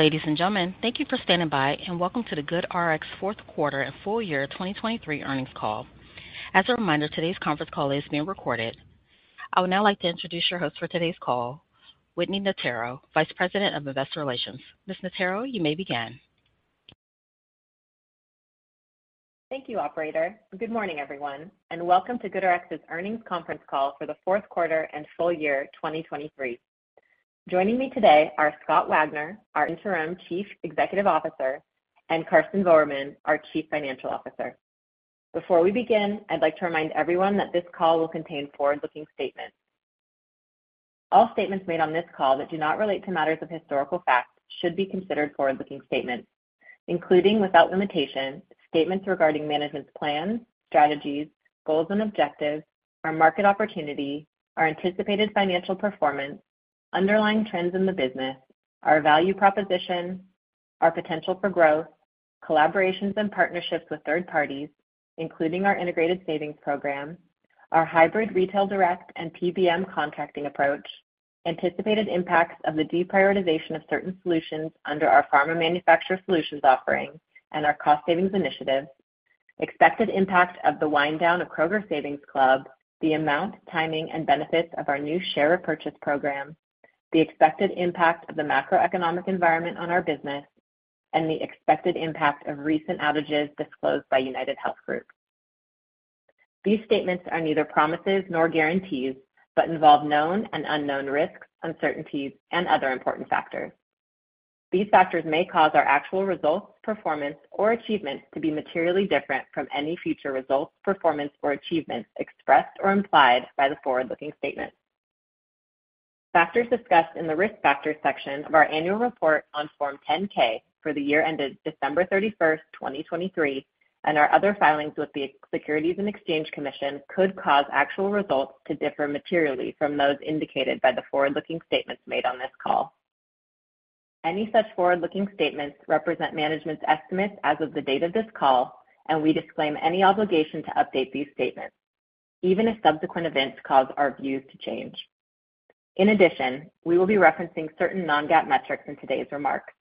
Ladies and gentlemen, thank you for standing by, and welcome to the GoodRx fourth quarter and full year 2023 earnings call. As a reminder, today's conference call is being recorded. I would now like to introduce your host for today's call, Whitney Notaro, Vice President of Investor Relations. Ms. Notaro, you may begin. Thank you, operator. Good morning, everyone, and welcome to GoodRx's earnings conference call for the fourth quarter and full year 2023. Joining me today are Scott Wagner, our Interim Chief Executive Officer, and Karsten Voermann, our Chief Financial Officer. Before we begin, I'd like to remind everyone that this call will contain forward-looking statements. All statements made on this call that do not relate to matters of historical fact should be considered forward-looking statements, including, without limitation, statements regarding management's plans, strategies, goals and objectives, our market opportunity, our anticipated financial performance, underlying trends in the business, our value proposition, our potential for growth, collaborations and partnerships with third parties, including our Integrated Savings Program, our hybrid retail direct and PBM contracting approach, anticipated impacts of the deprioritization of certain solutions under our Pharma Manufacturer Solutions offering, and our cost savings initiative, expected impact of the wind down of Kroger Savings Club, the amount, timing, and benefits of our new share repurchase program, the expected impact of the macroeconomic environment on our business, and the expected impact of recent outages disclosed by UnitedHealth Group. These statements are neither promises nor guarantees, but involve known and unknown risks, uncertainties, and other important factors. These factors may cause our actual results, performance, or achievements to be materially different from any future results, performance, or achievement expressed or implied by the forward-looking statements. Factors discussed in the Risk Factors section of our annual report on Form 10-K for the year ended December 31, 2023, and our other filings with the Securities and Exchange Commission could cause actual results to differ materially from those indicated by the forward-looking statements made on this call. Any such forward-looking statements represent management's estimates as of the date of this call, and we disclaim any obligation to update these statements, even if subsequent events cause our views to change. In addition, we will be referencing certain non-GAAP metrics in today's remarks.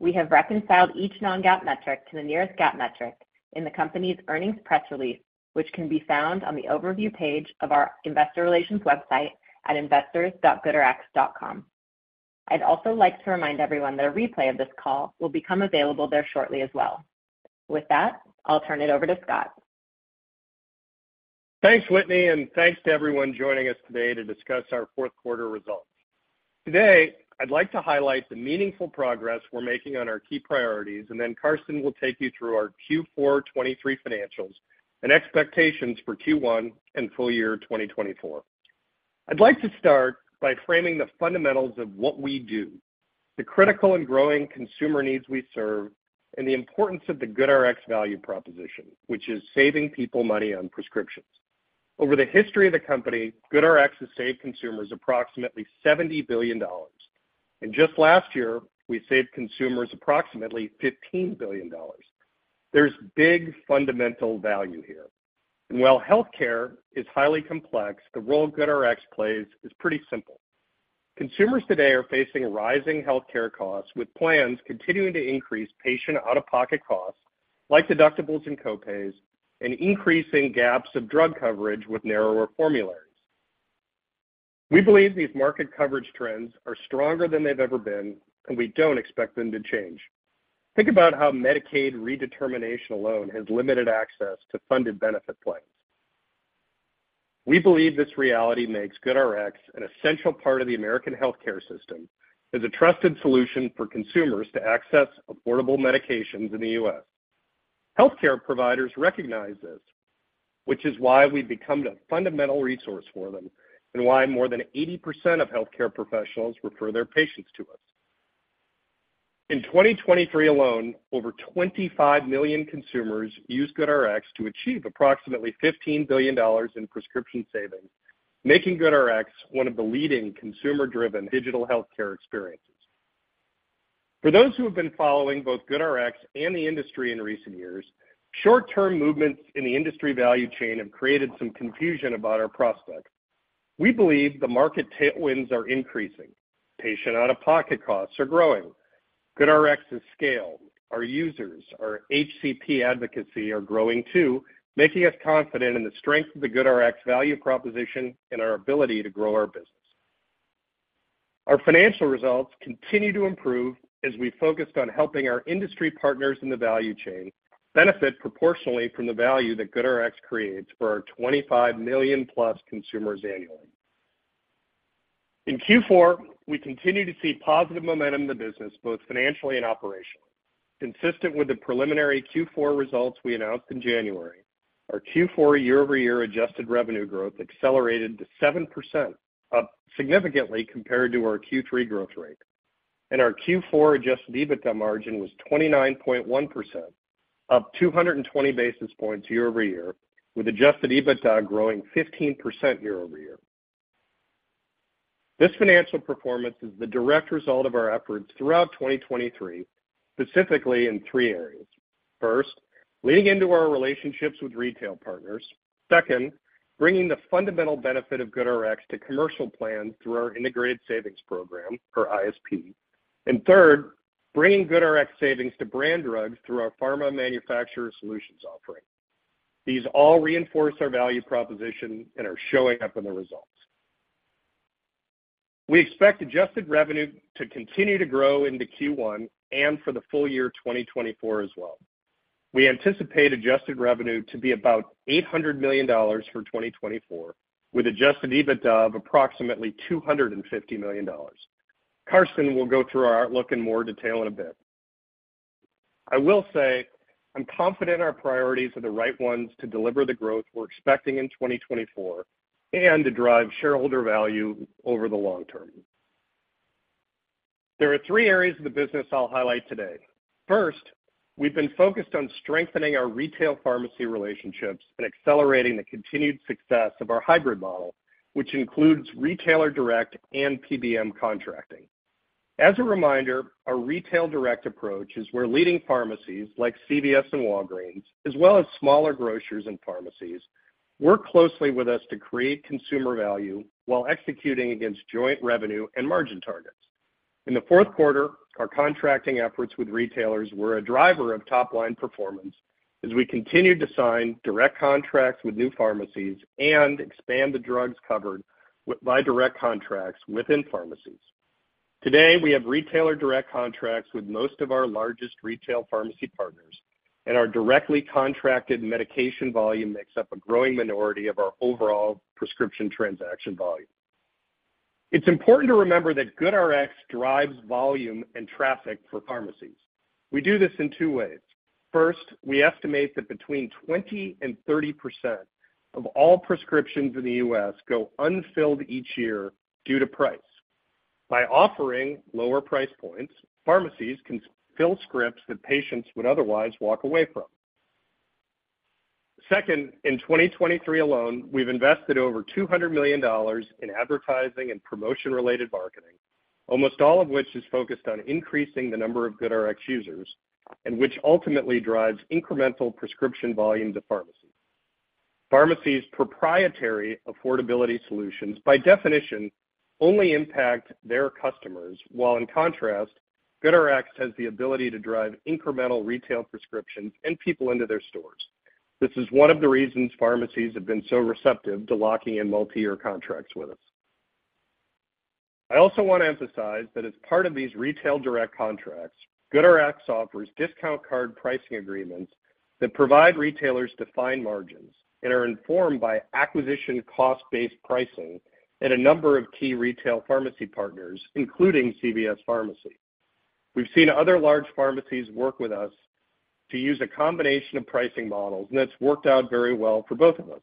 We have reconciled each non-GAAP metric to the nearest GAAP metric in the company's earnings press release, which can be found on the overview page of our investor relations website at investors.goodrx.com. I'd also like to remind everyone that a replay of this call will become available there shortly as well. With that, I'll turn it over to Scott. Thanks, Whitney, and thanks to everyone joining us today to discuss our fourth quarter results. Today, I'd like to highlight the meaningful progress we're making on our key priorities, and then Karsten will take you through our Q4 2023 financials and expectations for Q1 and full year 2024. I'd like to start by framing the fundamentals of what we do, the critical and growing consumer needs we serve, and the importance of the GoodRx value proposition, which is saving people money on prescriptions. Over the history of the company, GoodRx has saved consumers approximately $70 billion, and just last year, we saved consumers approximately $15 billion. There's big fundamental value here. And while healthcare is highly complex, the role GoodRx plays is pretty simple. Consumers today are facing rising healthcare costs, with plans continuing to increase patient out-of-pocket costs, like deductibles and copays, and increasing gaps of drug coverage with narrower formularies. We believe these market coverage trends are stronger than they've ever been, and we don't expect them to change. Think about how Medicaid redetermination alone has limited access to funded benefit plans. We believe this reality makes GoodRx an essential part of the American healthcare system, as a trusted solution for consumers to access affordable medications in the U.S. Healthcare providers recognize this, which is why we've become a fundamental resource for them, and why more than 80% of healthcare professionals refer their patients to us. In 2023 alone, over 25 million consumers used GoodRx to achieve approximately $15 billion in prescription savings, making GoodRx one of the leading consumer-driven digital healthcare experiences. For those who have been following both GoodRx and the industry in recent years, short-term movements in the industry value chain have created some confusion about our prospects. We believe the market tailwinds are increasing. Patient out-of-pocket costs are growing. GoodRx is scaled. Our users, our HCP advocacy are growing too, making us confident in the strength of the GoodRx value proposition and our ability to grow our business. Our financial results continue to improve as we focused on helping our industry partners in the value chain benefit proportionally from the value that GoodRx creates for our 25 million-plus consumers annually. In Q4, we continued to see positive momentum in the business, both financially and operationally. Consistent with the preliminary Q4 results we announced in January, our Q4 year-over-year adjusted revenue growth accelerated to 7%, up significantly compared to our Q3 growth rate, and our Q4 adjusted EBITDA margin was 29.1%, up 220 basis points year over year, with adjusted EBITDA growing 15% year over year. This financial performance is the direct result of our efforts throughout 2023, specifically in three areas:... First, leaning into our relationships with retail partners. Second, bringing the fundamental benefit of GoodRx to commercial plans through our Integrated Savings Program, or ISP. And third, bringing GoodRx savings to brand drugs through our Pharma Manufacturer Solutions offering. These all reinforce our value proposition and are showing up in the results. We expect adjusted revenue to continue to grow into Q1 and for the full year 2024 as well. We anticipate Adjusted Revenue to be about $800 million for 2024, with Adjusted EBITDA of approximately $250 million. Karsten will go through our outlook in more detail in a bit. I will say, I'm confident our priorities are the right ones to deliver the growth we're expecting in 2024 and to drive shareholder value over the long term. There are three areas of the business I'll highlight today. First, we've been focused on strengthening our retail pharmacy relationships and accelerating the continued success of our hybrid model, which includes retail direct and PBM contracting. As a reminder, our retail direct approach is where leading pharmacies, like CVS and Walgreens, as well as smaller grocers and pharmacies, work closely with us to create consumer value while executing against joint revenue and margin targets. In the fourth quarter, our contracting efforts with retailers were a driver of top-line performance as we continued to sign direct contracts with new pharmacies and expand the drugs covered by direct contracts within pharmacies. Today, we have retailer direct contracts with most of our largest retail pharmacy partners, and our directly contracted medication volume makes up a growing minority of our overall prescription transaction volume. It's important to remember that GoodRx drives volume and traffic for pharmacies. We do this in two ways. First, we estimate that between 20% and 30% of all prescriptions in the U.S. go unfilled each year due to price. By offering lower price points, pharmacies can fill scripts that patients would otherwise walk away from. Second, in 2023 alone, we've invested over $200 million in advertising and promotion-related marketing, almost all of which is focused on increasing the number of GoodRx users, and which ultimately drives incremental prescription volume to pharmacies. Pharmacies' proprietary affordability solutions, by definition, only impact their customers, while in contrast, GoodRx has the ability to drive incremental retail prescriptions and people into their stores. This is one of the reasons pharmacies have been so receptive to locking in multi-year contracts with us. I also want to emphasize that as part of these retail direct contracts, GoodRx offers discount card pricing agreements that provide retailers defined margins and are informed by acquisition cost-based pricing and a number of key retail pharmacy partners, including CVS Pharmacy. We've seen other large pharmacies work with us to use a combination of pricing models, and it's worked out very well for both of us.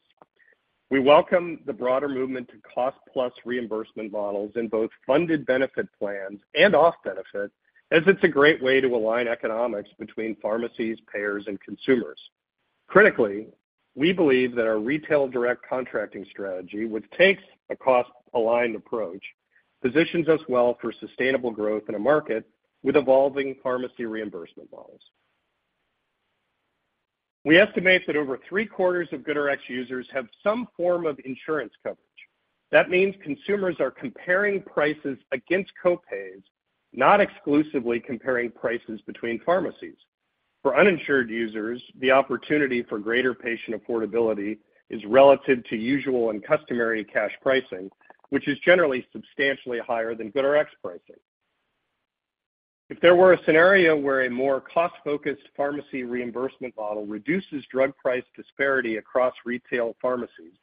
We welcome the broader movement to cost plus reimbursement models in both funded benefit plans and off benefit, as it's a great way to align economics between pharmacies, payers, and consumers. Critically, we believe that our retail direct contracting strategy, which takes a cost-aligned approach, positions us well for sustainable growth in a market with evolving pharmacy reimbursement models. We estimate that over three quarters of GoodRx users have some form of insurance coverage. That means consumers are comparing prices against copays, not exclusively comparing prices between pharmacies. For uninsured users, the opportunity for greater patient affordability is relative to usual and customary cash pricing, which is generally substantially higher than GoodRx pricing. If there were a scenario where a more cost-focused pharmacy reimbursement model reduces drug price disparity across retail pharmacies,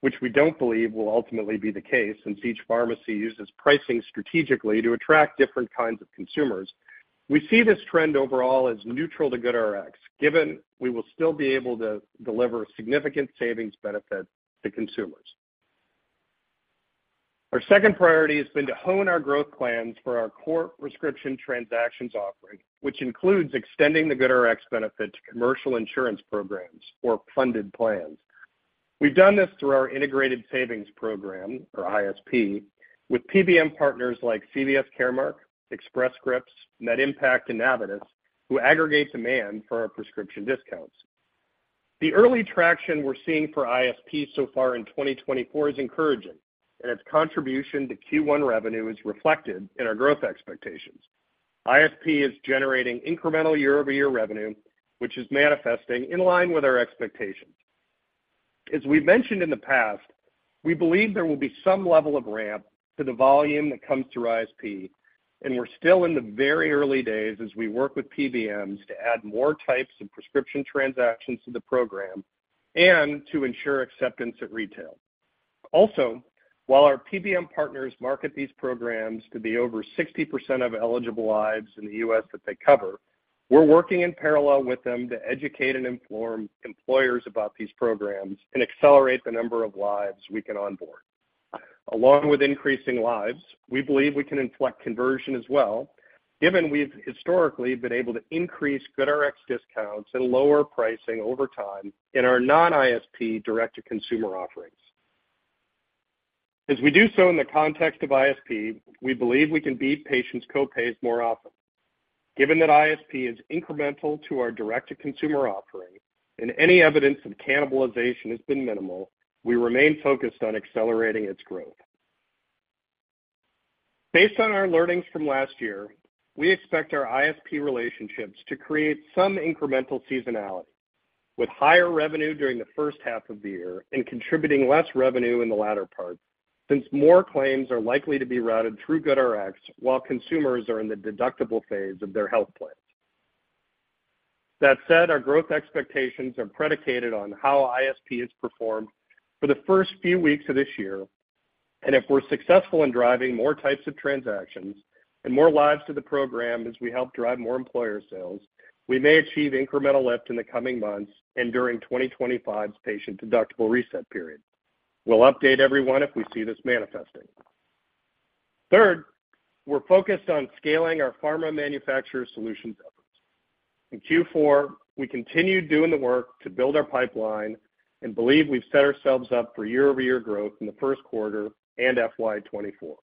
which we don't believe will ultimately be the case, since each pharmacy uses pricing strategically to attract different kinds of consumers, we see this trend overall as neutral to GoodRx, given we will still be able to deliver significant savings benefit to consumers. Our second priority has been to hone our growth plans for our core prescription transactions offering, which includes extending the GoodRx benefit to commercial insurance programs or funded plans. We've done this through our integrated savings program, or ISP, with PBM partners like CVS Caremark, Express Scripts, MedImpact, and Navitus, who aggregate demand for our prescription discounts. The early traction we're seeing for ISP so far in 2024 is encouraging, and its contribution to Q1 revenue is reflected in our growth expectations. ISP is generating incremental year-over-year revenue, which is manifesting in line with our expectations. As we've mentioned in the past, we believe there will be some level of ramp to the volume that comes through ISP, and we're still in the very early days as we work with PBMs to add more types of prescription transactions to the program and to ensure acceptance at retail. Also, while our PBM partners market these programs to be over 60% of eligible lives in the U.S. that they cover, we're working in parallel with them to educate and inform employers about these programs and accelerate the number of lives we can onboard. Along with increasing lives, we believe we can inflect conversion as well, given we've historically been able to increase GoodRx discounts and lower pricing over time in our non-ISP direct-to-consumer offerings. As we do so in the context of ISP, we believe we can beat patients' copays more often. Given that ISP is incremental to our direct-to-consumer offering, and any evidence of cannibalization has been minimal, we remain focused on accelerating its growth. Based on our learnings from last year, we expect our ISP relationships to create some incremental seasonality, with higher revenue during the first half of the year and contributing less revenue in the latter part, since more claims are likely to be routed through GoodRx while consumers are in the deductible phase of their health plans. That said, our growth expectations are predicated on how ISP has performed for the first few weeks of this year, and if we're successful in driving more types of transactions and more lives to the program as we help drive more employer sales, we may achieve incremental lift in the coming months and during 2025's patient deductible reset period. We'll update everyone if we see this manifesting. Third, we're focused on scaling our pharma manufacturer solutions efforts. In Q4, we continued doing the work to build our pipeline and believe we've set ourselves up for year-over-year growth in the first quarter and FY 2024.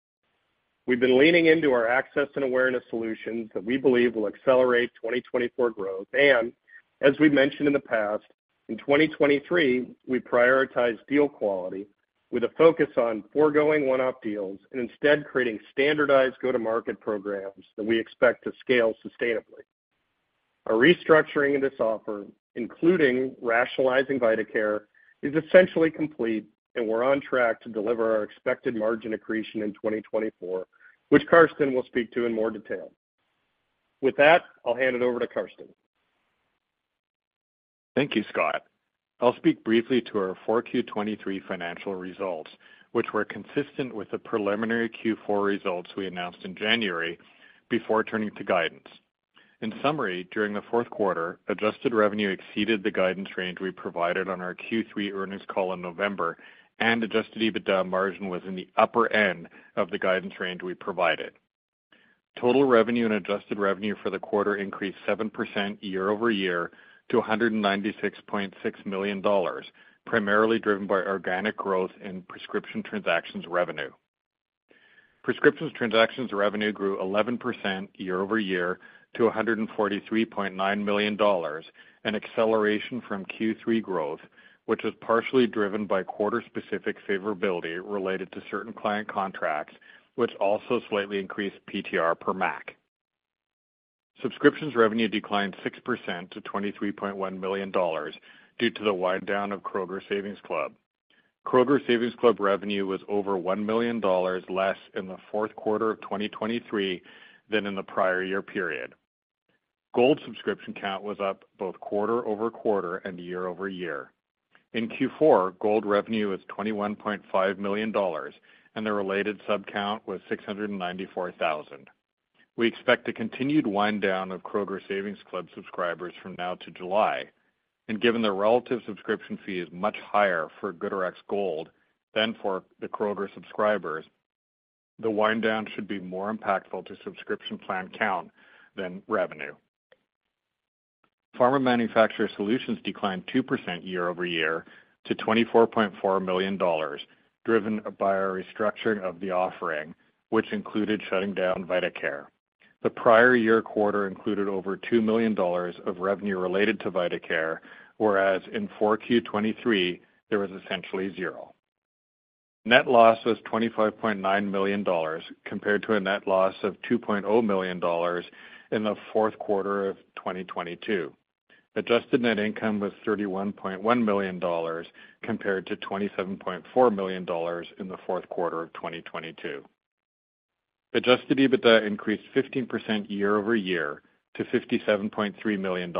We've been leaning into our access and awareness solutions that we believe will accelerate 2024 growth, and as we've mentioned in the past, in 2023, we prioritized deal quality with a focus on foregoing one-off deals and instead creating standardized go-to-market programs that we expect to scale sustainably. Our restructuring in this offering, including rationalizing VitaCare, is essentially complete, and we're on track to deliver our expected margin accretion in 2024, which Karsten will speak to in more detail. With that, I'll hand it over to Karsten. Thank you, Scott. I'll speak briefly to our Q4 2023 financial results, which were consistent with the preliminary Q4 results we announced in January, before turning to guidance. In summary, during the fourth quarter, adjusted revenue exceeded the guidance range we provided on our Q3 earnings call in November, and adjusted EBITDA margin was in the upper end of the guidance range we provided. Total revenue and adjusted revenue for the quarter increased 7% year-over-year to $196.6 million, primarily driven by organic growth in prescription transactions revenue. Prescription transactions revenue grew 11% year-over-year to $143.9 million, an acceleration from Q3 growth, which was partially driven by quarter-specific favorability related to certain client contracts, which also slightly increased PTR per MAC. Subscriptions revenue declined 6% to $23.1 million due to the wind down of Kroger Savings Club. Kroger Savings Club revenue was over $1 million less in the fourth quarter of 2023 than in the prior year period. Gold subscription count was up both quarter-over-quarter and year-over-year. In Q4, Gold revenue was $21.5 million, and the related sub count was 694,000. We expect a continued wind down of Kroger Savings Club subscribers from now to July, and given the relative subscription fee is much higher for GoodRx Gold than for the Kroger subscribers, the wind down should be more impactful to subscription plan count than revenue. Pharma Manufacturer Solutions declined 2% year-over-year to $24.4 million, driven by a restructuring of the offering, which included shutting down vitaCare. The prior year quarter included over $2 million of revenue related to vitaCare, whereas in Q4 2023, there was essentially zero. Net loss was $25.9 million, compared to a net loss of $2.0 million in the fourth quarter of 2022. Adjusted net income was $31.1 million, compared to $27.4 million in the fourth quarter of 2022. Adjusted EBITDA increased 15% year-over-year to $57.3 million.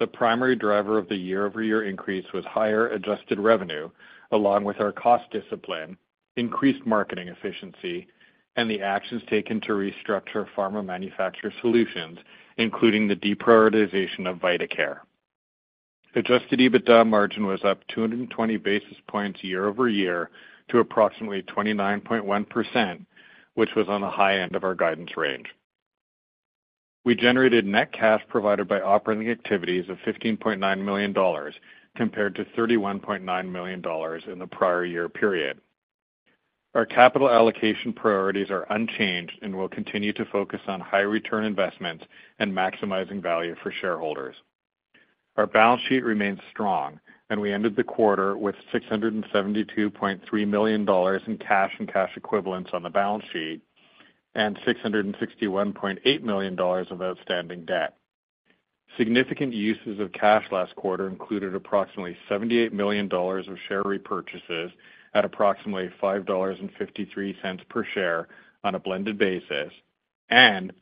The primary driver of the year-over-year increase was higher adjusted revenue, along with our cost discipline, increased marketing efficiency, and the actions taken to restructure Pharma Manufacturer Solutions, including the deprioritization of vitaCare. Adjusted EBITDA margin was up 220 basis points year-over-year to approximately 29.1%, which was on the high end of our guidance range. We generated net cash provided by operating activities of $15.9 million, compared to $31.9 million in the prior year period. Our capital allocation priorities are unchanged and will continue to focus on high return investments and maximizing value for shareholders. Our balance sheet remains strong, and we ended the quarter with $672.3 million in cash and cash equivalents on the balance sheet, and $661.8 million of outstanding debt. Significant uses of cash last quarter included approximately $78 million of share repurchases at approximately $5.53 per share on a blended basis, and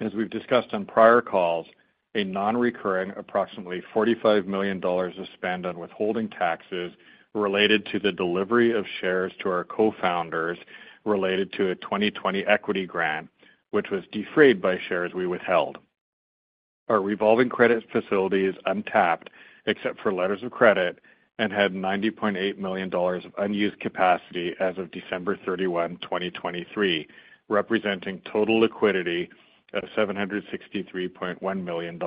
as we've discussed on prior calls, a non-recurring approximately $45 million was spent on withholding taxes related to the delivery of shares to our co-founders related to a 2020 equity grant, which was defrayed by shares we withheld. Our revolving credit facility is untapped, except for letters of credit, and had $90.8 million of unused capacity as of December 31, 2023, representing total liquidity of $763.1 million.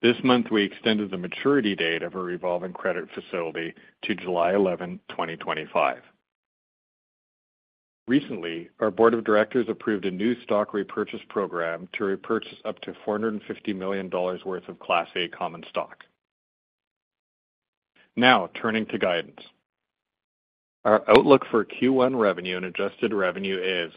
This month, we extended the maturity date of our revolving credit facility to July 11, 2025. Recently, our board of directors approved a new stock repurchase program to repurchase up to $450 million worth of Class A common stock. Now, turning to guidance. Our outlook for Q1 revenue and adjusted revenue is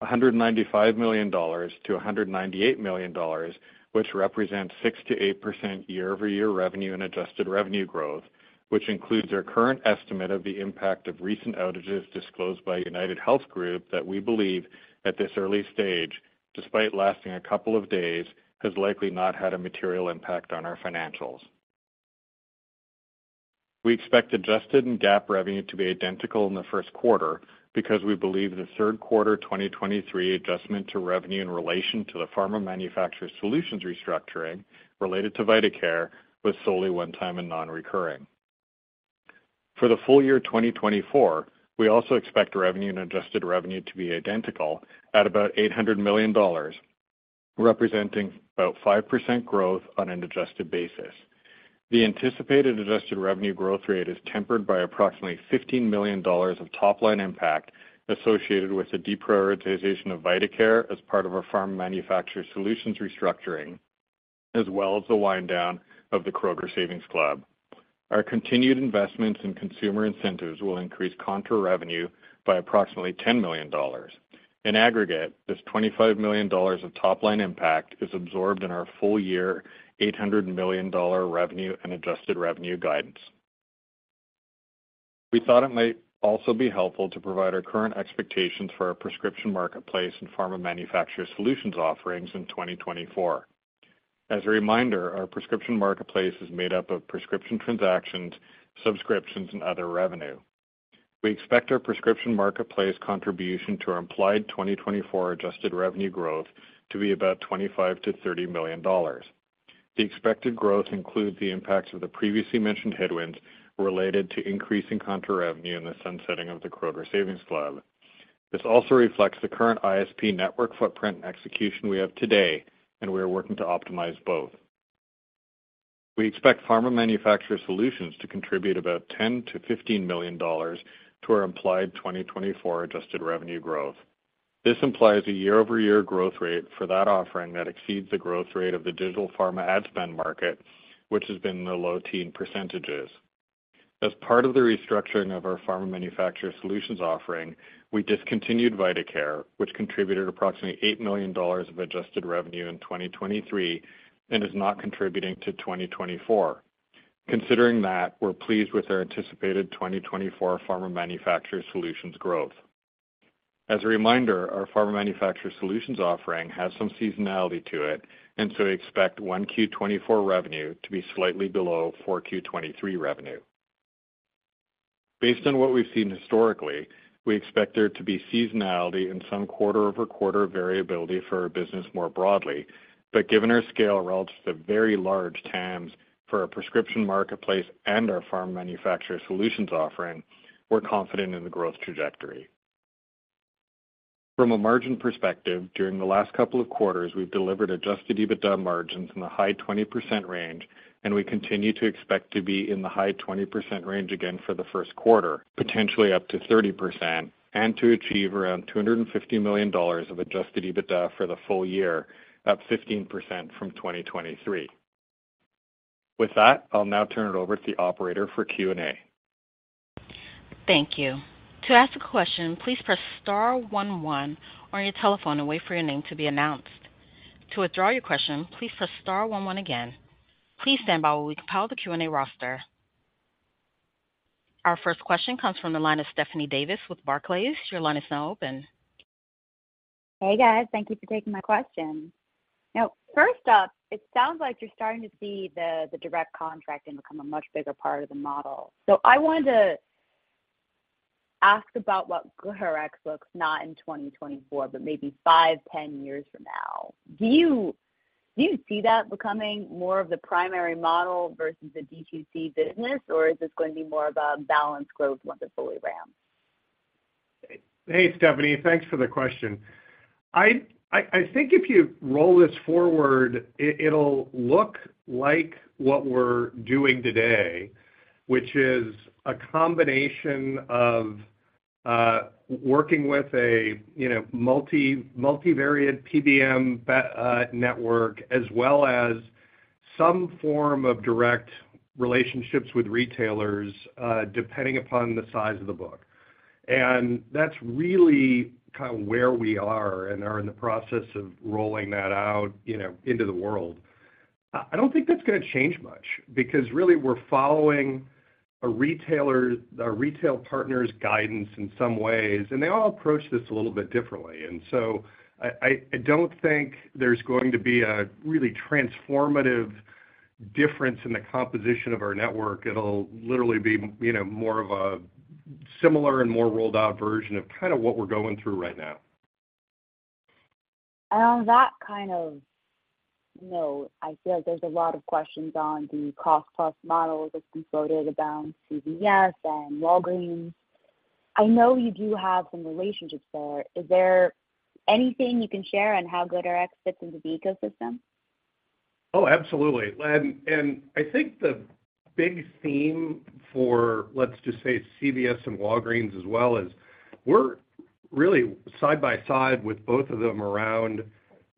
$195 million-$198 million, which represents 6%-8% year-over-year revenue and adjusted revenue growth, which includes our current estimate of the impact of recent outages disclosed by UnitedHealth Group that we believe, at this early stage, despite lasting a couple of days, has likely not had a material impact on our financials. We expect adjusted and GAAP revenue to be identical in the first quarter because we believe the third quarter 2023 adjustment to revenue in relation to the Pharma Manufacturer Solutions restructuring related to VitaCare was solely one time and non-recurring. For the full year 2024, we also expect revenue and adjusted revenue to be identical at about $800 million, representing about 5% growth on an adjusted basis. The anticipated adjusted revenue growth rate is tempered by approximately $15 million of top-line impact associated with the deprioritization of vitaCare as part of our Pharma Manufacturer Solutions restructuring, as well as the wind down of the Kroger Savings Club. Our continued investments in consumer incentives will increase contra revenue by approximately $10 million. In aggregate, this $25 million of top line impact is absorbed in our full year $800 million revenue and adjusted revenue guidance. We thought it might also be helpful to provide our current expectations for our prescription marketplace and Pharma Manufacturer Solutions offerings in 2024. As a reminder, our prescription marketplace is made up of prescription transactions, subscriptions, and other revenue. We expect our prescription marketplace contribution to our implied 2024 adjusted revenue growth to be about $25 million-$30 million. The expected growth includes the impacts of the previously mentioned headwinds related to increasing contra revenue and the sunsetting of the Kroger Savings Club. This also reflects the current ISP network footprint and execution we have today, and we are working to optimize both. We expect Pharma Manufacturer Solutions to contribute about $10 million-$15 million to our implied 2024 adjusted revenue growth. This implies a year-over-year growth rate for that offering that exceeds the growth rate of the digital pharma ad spend market, which has been in the low teens%. As part of the restructuring of our Pharma Manufacturer Solutions offering, we discontinued VitaCare, which contributed approximately $8 million of adjusted revenue in 2023 and is not contributing to 2024. Considering that, we're pleased with our anticipated 2024 Pharma Manufacturer Solutions growth. As a reminder, our Pharma Manufacturer Solutions offering has some seasonality to it, and so we expect 1Q 2024 revenue to be slightly below 4Q 2023 revenue. Based on what we've seen historically, we expect there to be seasonality and some quarter-over-quarter variability for our business more broadly, but given our scale relative to very large TAMs for our prescription marketplace and our Pharma Manufacturer Solutions offering, we're confident in the growth trajectory. From a margin perspective, during the last couple of quarters, we've delivered adjusted EBITDA margins in the high 20% range, and we continue to expect to be in the high 20% range again for the first quarter, potentially up to 30%, and to achieve around $250 million of adjusted EBITDA for the full year, up 15% from 2023. With that, I'll now turn it over to the operator for Q&A. Thank you. To ask a question, please press star one one on your telephone and wait for your name to be announced. To withdraw your question, please press star one one again. Please stand by while we compile the Q&A roster. Our first question comes from the line of Stephanie Davis with Barclays. Your line is now open. Hey, guys. Thank you for taking my question. Now, first up, it sounds like you're starting to see the direct contracting become a much bigger part of the model. So I wanted to ask about what GoodRx looks, not in 2024, but maybe 5, 10 years from now. Do you see that becoming more of the primary model versus the D2C business, or is this going to be more of a balanced growth wonderfully round? Hey, Stephanie. Thanks for the question. I think if you roll this forward, it'll look like what we're doing today, which is a combination of, you know, working with a multi-PBM network, as well as some form of direct relationships with retailers, depending upon the size of the book. And that's really kind of where we are and in the process of rolling that out, you know, into the world. I don't think that's gonna change much, because really we're following a retail partner's guidance in some ways, and they all approach this a little bit differently. And so I don't think there's going to be a really transformative difference in the composition of our network. It'll literally be, you know, more of a similar and more rolled out version of kind of what we're going through right now. On that kind of note, I feel like there's a lot of questions on the cost plus model that's been floated about CVS and Walgreens.... I know you do have some relationships there. Is there anything you can share on how GoodRx fits into the ecosystem? Oh, absolutely! And I think the big theme for, let's just say, CVS and Walgreens as well, is we're really side by side with both of them around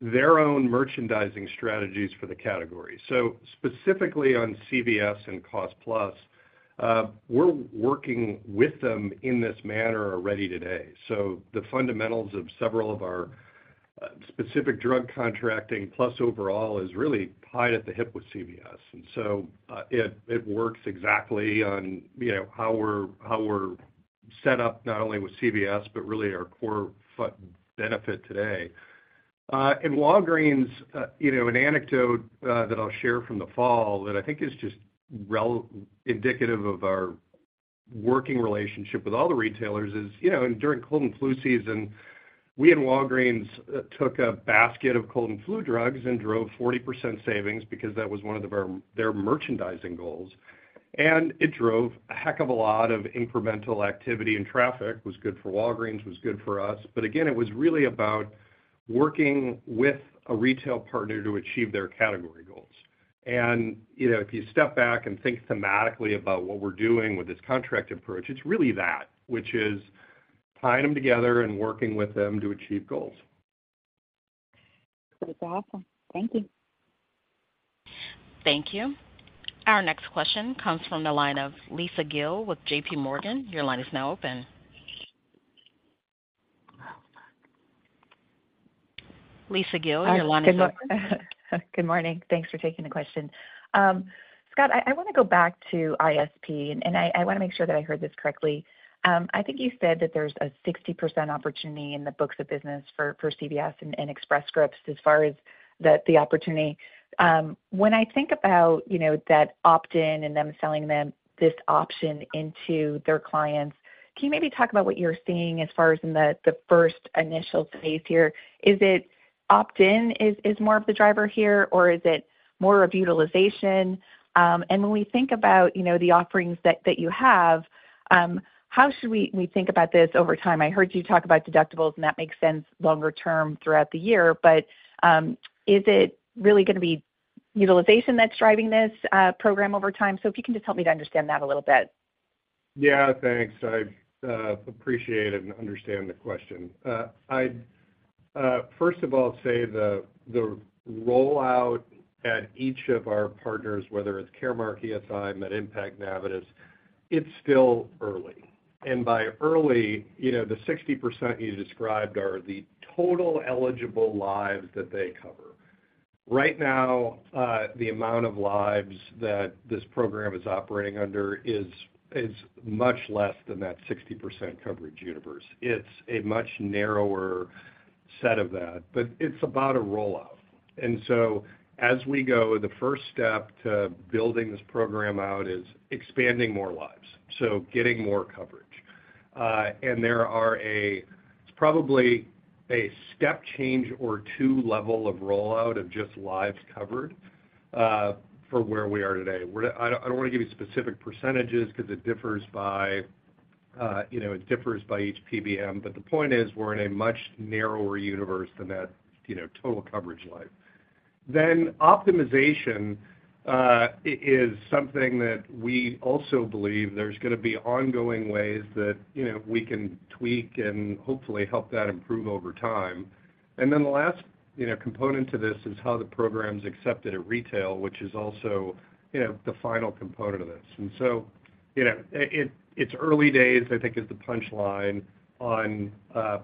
their own merchandising strategies for the category. So specifically on CVS and Cost Plus, we're working with them in this manner already today. So the fundamentals of several of our specific drug contracting, plus overall, is really tied at the hip with CVS. And so, it works exactly on, you know, how we're set up, not only with CVS, but really our core PBM benefit today. In Walgreens, you know, an anecdote that I'll share from the fall that I think is just indicative of our working relationship with all the retailers is, you know, during cold and flu season, we and Walgreens took a basket of cold and flu drugs and drove 40% savings because that was one of their merchandising goals, and it drove a heck of a lot of incremental activity, and traffic was good for Walgreens, was good for us. But again, it was really about working with a retail partner to achieve their category goals. You know, if you step back and think thematically about what we're doing with this contract approach, it's really that, which is tying them together and working with them to achieve goals. That's awesome. Thank you. Thank you. Our next question comes from the line of Lisa Gill with JP Morgan. Your line is now open. Lisa Gill, your line is open. Good morning. Thanks for taking the question. Scott, I wanna go back to ISP, and I wanna make sure that I heard this correctly. I think you said that there's a 60% opportunity in the books of business for CVS and Express Scripts as far as the opportunity. When I think about, you know, that opt-in and them selling them this option into their clients, can you maybe talk about what you're seeing as far as in the first initial phase here? Is it opt-in, is more of the driver here, or is it more of utilization? And when we think about, you know, the offerings that you have, how should we think about this over time? I heard you talk about deductibles, and that makes sense longer term throughout the year, but, is it really gonna be utilization that's driving this program over time? So if you can just help me to understand that a little bit. Yeah, thanks. I appreciate it and understand the question. I'd first of all say the rollout at each of our partners, whether it's Caremark, ESI, MedImpact, Navitus, it's still early. And by early, you know, the 60% you described are the total eligible lives that they cover. Right now, the amount of lives that this program is operating under is much less than that 60% coverage universe. It's a much narrower set of that, but it's about a rollout. And so as we go, the first step to building this program out is expanding more lives, so getting more coverage. And there are a... It's probably a step change or two level of rollout of just lives covered, for where we are today. We're gonna. I don't, I don't wanna give you specific percentages 'cause it differs by, you know, it differs by each PBM, but the point is, we're in a much narrower universe than that, you know, total coverage life. Then optimization is something that we also believe there's gonna be ongoing ways that, you know, we can tweak and hopefully help that improve over time. And then the last, you know, component to this is how the program's accepted at retail, which is also, you know, the final component of this. And so, you know, it, it, it's early days, I think, is the punchline on,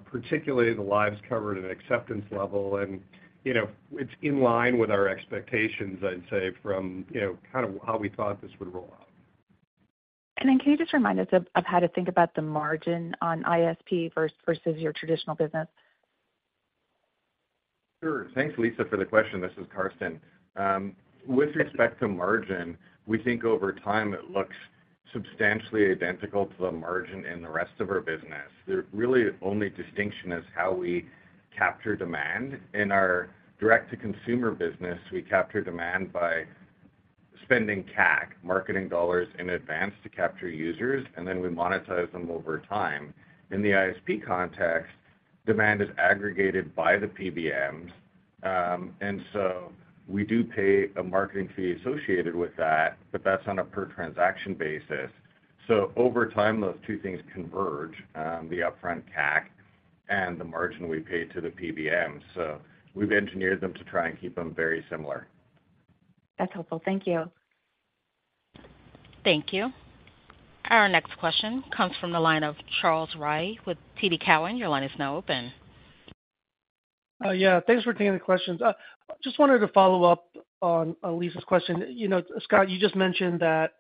particularly the lives covered and acceptance level. And, you know, it's in line with our expectations, I'd say, from, you know, kind of how we thought this would roll out. Can you just remind us of how to think about the margin on ISP versus your traditional business? Sure. Thanks, Lisa, for the question. This is Karsten. With respect to margin, we think over time it looks substantially identical to the margin in the rest of our business. The really only distinction is how we capture demand. In our direct-to-consumer business, we capture demand by spending CAC, marketing dollars in advance to capture users, and then we monetize them over time. In the ISP context, demand is aggregated by the PBMs, and so we do pay a marketing fee associated with that, but that's on a per transaction basis. So over time, those two things converge, the upfront CAC and the margin we pay to the PBMs. So we've engineered them to try and keep them very similar. That's helpful. Thank you. Thank you. Our next question comes from the line of Charles Rhyee with TD Cowen. Your line is now open. Yeah, thanks for taking the questions. Just wanted to follow up on Lisa's question. You know, Scott, you just mentioned that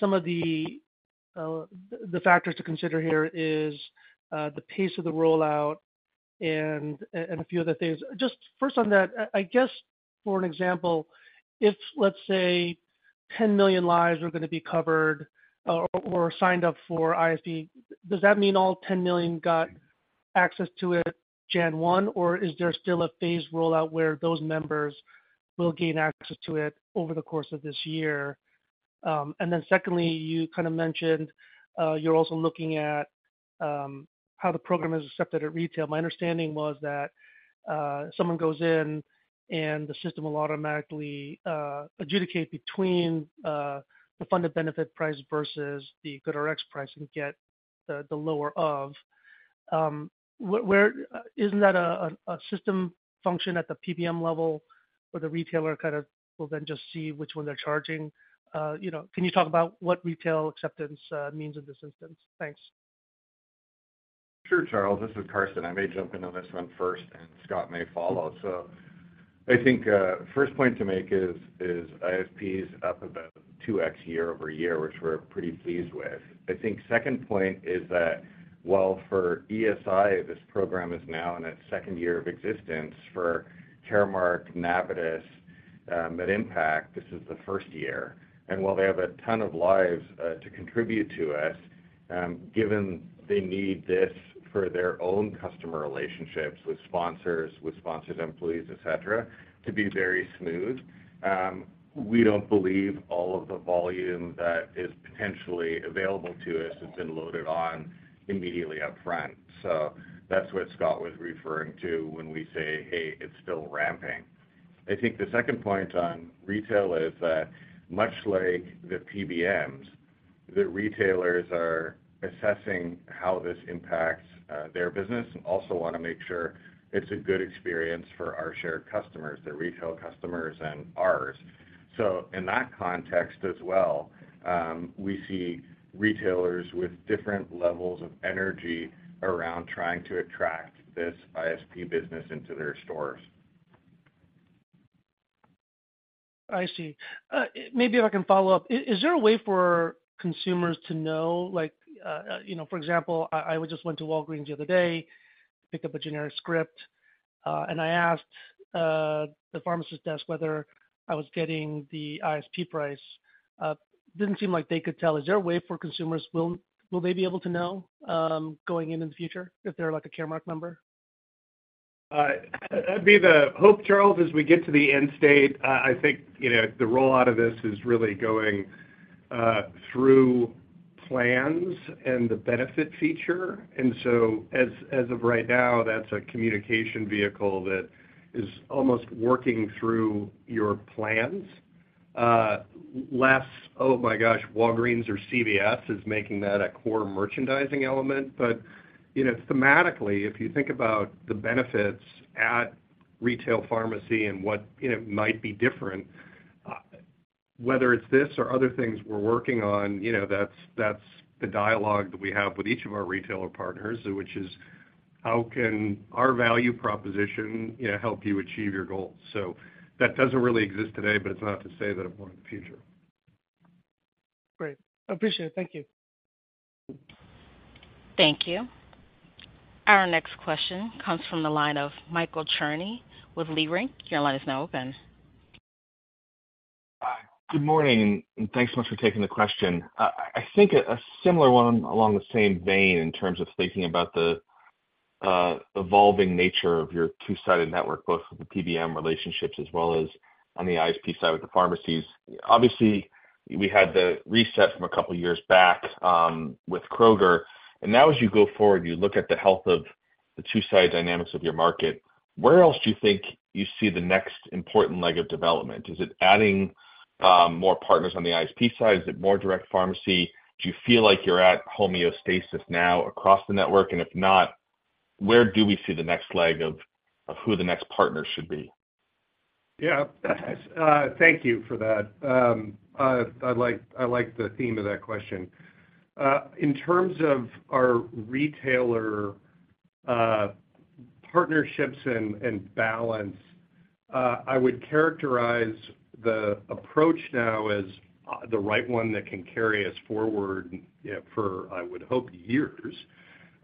some of the factors to consider here is the pace of the rollout and a few other things. Just first on that, I guess, for an example, if, let's say, 10 million lives are gonna be covered or signed up for ISP, does that mean all 10 million got access to it January 1, or is there still a phased rollout where those members will gain access to it over the course of this year? And then secondly, you kind of mentioned you're also looking at how the program is accepted at retail. My understanding was that someone goes in, and the system will automatically adjudicate between the funded benefit price versus the GoodRx price and get the lower of. Isn't that a system function at the PBM level, where the retailer kind of will then just see which one they're charging? You know, can you talk about what retail acceptance means in this instance? Thanks. Sure, Charles, this is Carson. I may jump in on this one first, and Scott may follow. So I think, first point to make is, is ISP's up about 2x year-over-year, which we're pretty pleased with. I think second point is that while for ESI, this program is now in its second year of existence, for Caremark, Navitus, MedImpact, this is the first year. And while they have a ton of lives to contribute to us, given they need this for their own customer relationships with sponsors, with sponsored employees, et cetera, to be very smooth, we don't believe all of the volume that is potentially available to us has been loaded on immediately upfront. So that's what Scott was referring to when we say, hey, it's still ramping. I think the second point on retail is that much like the PBMs, the retailers are assessing how this impacts their business and also wanna make sure it's a good experience for our shared customers, their retail customers and ours. So in that context as well, we see retailers with different levels of energy around trying to attract this ISP business into their stores. I see. Maybe if I can follow up. Is there a way for consumers to know, like, you know, for example, I just went to Walgreens the other day, picked up a generic script, and I asked the pharmacist desk whether I was getting the ISP price. Didn't seem like they could tell. Is there a way for consumers? Will they be able to know going in in the future if they're, like, a Caremark member? That'd be the hope, Charles, as we get to the end state. I think, you know, the rollout of this is really going through plans and the benefit feature. And so as, as of right now, that's a communication vehicle that is almost working through your plans, less, oh, my gosh, Walgreens or CVS is making that a core merchandising element. But, you know, thematically, if you think about the benefits at retail pharmacy and what, you know, might be different, whether it's this or other things we're working on, you know, that's, that's the dialogue that we have with each of our retailer partners, which is: How can our value proposition, you know, help you achieve your goals? So that doesn't really exist today, but it's not to say that it won't in the future. Great. I appreciate it. Thank you. Thank you. Our next question comes from the line of Michael Cherney with Leerink. Your line is now open. Hi, good morning, and thanks so much for taking the question. I think a similar one along the same vein in terms of thinking about the evolving nature of your two-sided network, both with the PBM relationships as well as on the ISP side with the pharmacies. Obviously, we had the reset from a couple of years back with Kroger, and now as you go forward, you look at the health of the two-sided dynamics of your market, where else do you think you see the next important leg of development? Is it adding more partners on the ISP side? Is it more direct pharmacy? Do you feel like you're at homeostasis now across the network, and if not, where do we see the next leg of who the next partner should be? Yeah, thank you for that. I like, I like the theme of that question. In terms of our retailer partnerships and balance, I would characterize the approach now as the right one that can carry us forward, you know, for, I would hope, years.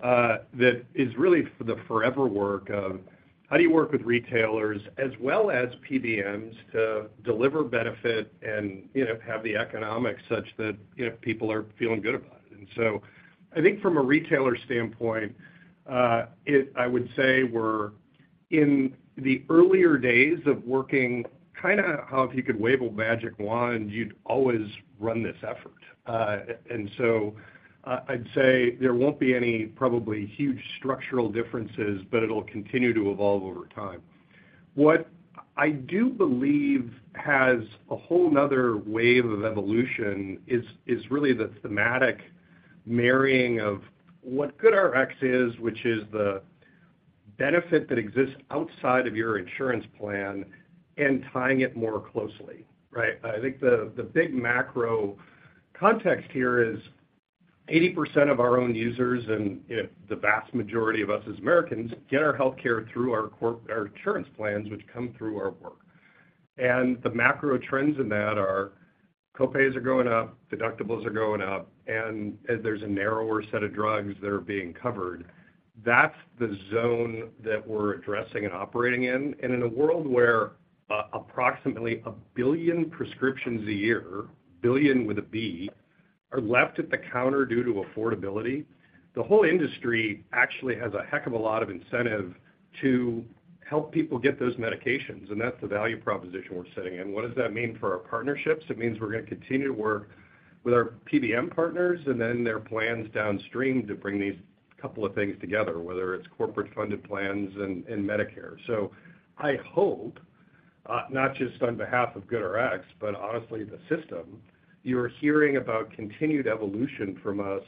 That is really for the forever work of how do you work with retailers as well as PBMs to deliver benefit and, you know, have the economics such that, you know, people are feeling good about it. And so I think from a retailer standpoint, I would say we're in the earlier days of working, kinda how if you could wave a magic wand, you'd always run this effort. And so I'd say there won't be any probably huge structural differences, but it'll continue to evolve over time. What I do believe has a whole another wave of evolution is really the thematic marrying of what GoodRx is, which is the benefit that exists outside of your insurance plan and tying it more closely, right? I think the big macro context here is 80% of our own users and, you know, the vast majority of us as Americans, get our healthcare through our corporate insurance plans, which come through our work. And the macro trends in that are, copays are going up, deductibles are going up, and there's a narrower set of drugs that are being covered. That's the zone that we're addressing and operating in. And in a world where approximately 1 billion prescriptions a year, billion with a B-... are left at the counter due to affordability, the whole industry actually has a heck of a lot of incentive to help people get those medications, and that's the value proposition we're sitting in. What does that mean for our partnerships? It means we're gonna continue to work with our PBM partners and then their plans downstream to bring these couple of things together, whether it's corporate-funded plans and Medicare. So I hope not just on behalf of GoodRx, but honestly, the system, you're hearing about continued evolution from us,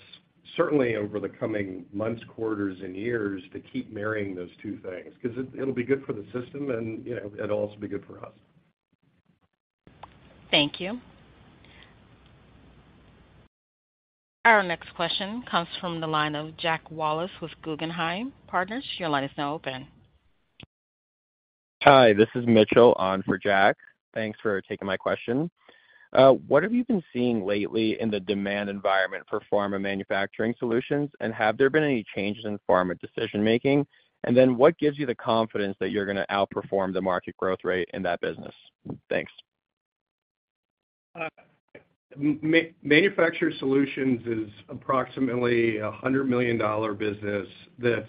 certainly over the coming months, quarters and years, to keep marrying those two things, because it, it'll be good for the system, and, you know, it'll also be good for us. Thank you. Our next question comes from the line of Jack Wallace with Guggenheim Partners. Your line is now open. Hi, this is Mitchell on for Jack. Thanks for taking my question. What have you been seeing lately in the demand environment for Pharma Manufacturer Solutions, and have there been any changes in Pharma decision-making? And then what gives you the confidence that you're gonna outperform the market growth rate in that business? Thanks. Manufacturer solutions is approximately a $100 million business that's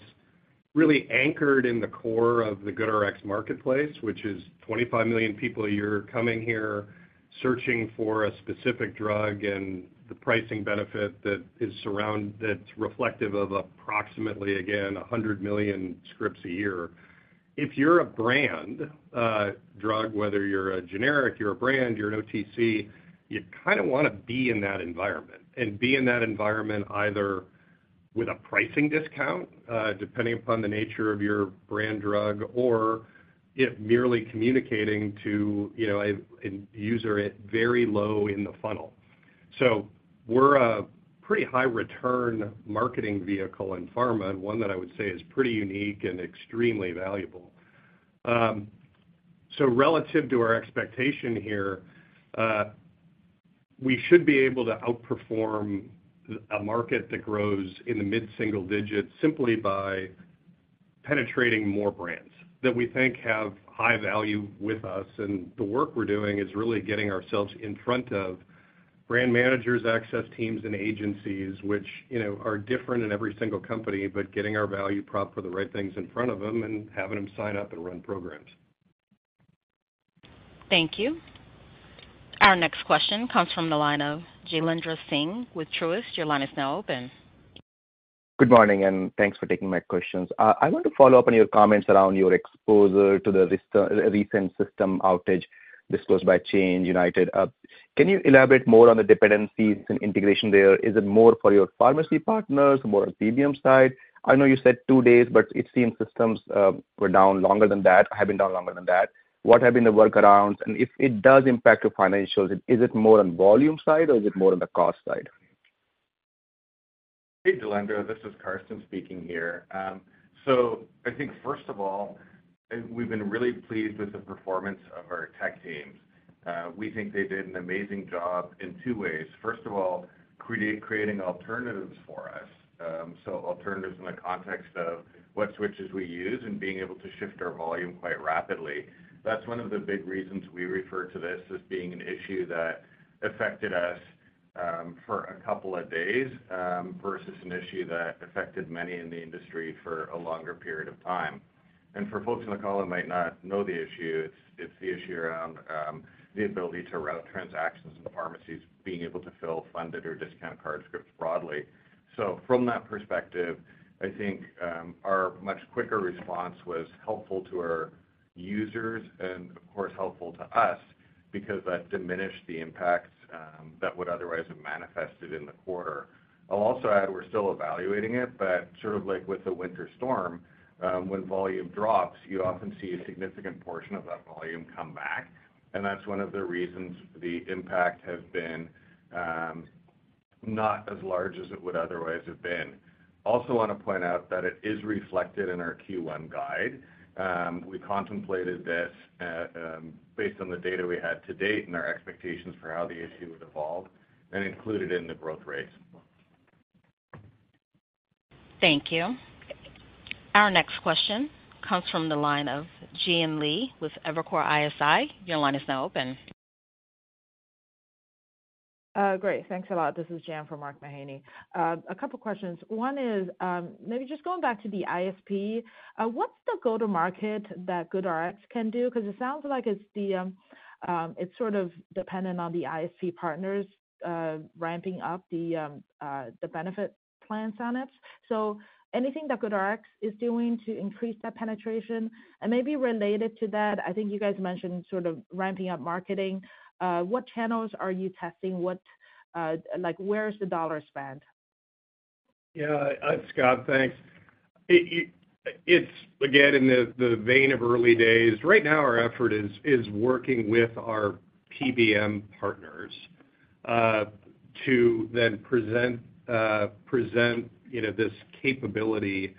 really anchored in the core of the GoodRx marketplace, which is 25 million people a year coming here, searching for a specific drug and the pricing benefit that that's reflective of approximately, again, 100 million scripts a year. If you're a brand drug, whether you're a generic, you're a brand, you're an OTC, you kind of wanna be in that environment and be in that environment either with a pricing discount, depending upon the nature of your brand drug, or if merely communicating to, you know, a user at very low in the funnel. So we're a pretty high return marketing vehicle in pharma, one that I would say is pretty unique and extremely valuable. Relative to our expectation here, we should be able to outperform a market that grows in the mid-single digits simply by penetrating more brands that we think have high value with us. The work we're doing is really getting ourselves in front of brand managers, access teams, and agencies, which, you know, are different in every single company, but getting our value prop for the right things in front of them and having them sign up and run programs. Thank you. Our next question comes from the line of Jailendra Singh with Truist. Your line is now open. Good morning, and thanks for taking my questions. I want to follow up on your comments around your exposure to the recent system outage disclosed by Change Healthcare. Can you elaborate more on the dependencies and integration there? Is it more for your pharmacy partners, more on PBM side? I know you said two days, but it seems systems were down longer than that, have been down longer than that. What have been the workarounds? And if it does impact your financials, is it more on volume side or is it more on the cost side? Hey, Jalindra, this is Karsten speaking here. So I think first of all, we've been really pleased with the performance of our tech teams. We think they did an amazing job in two ways. First of all, creating alternatives for us. So alternatives in the context of what switches we use and being able to shift our volume quite rapidly. That's one of the big reasons we refer to this as being an issue that affected us for a couple of days versus an issue that affected many in the industry for a longer period of time. And for folks on the call who might not know the issue, it's the issue around the ability to route transactions and pharmacies being able to fill funded or discount card scripts broadly. So from that perspective, I think, our much quicker response was helpful to our users and, of course, helpful to us because that diminished the impacts, that would otherwise have manifested in the quarter. I'll also add, we're still evaluating it, but sort of like with the winter storm, when volume drops, you often see a significant portion of that volume come back, and that's one of the reasons the impact has been, not as large as it would otherwise have been. Also want to point out that it is reflected in our Q1 guide. We contemplated this, based on the data we had to date and our expectations for how the issue would evolve and include it in the growth rate. Thank you. Our next question comes from the line of Jian Li with Evercore ISI. Your line is now open. Great. Thanks a lot. This is Jian from Mark Mahaney. A couple questions. One is, maybe just going back to the ISP, what's the go-to-market that GoodRx can do? Because it sounds like it's sort of dependent on the ISP partners, ramping up the benefit plans on it. So anything that GoodRx is doing to increase that penetration? And maybe related to that, I think you guys mentioned sort of ramping up marketing. What channels are you testing? What, like, where is the dollar spent? Yeah, Scott, thanks. It's again in the vein of early days. Right now, our effort is working with our PBM partners to then present, you know, this capability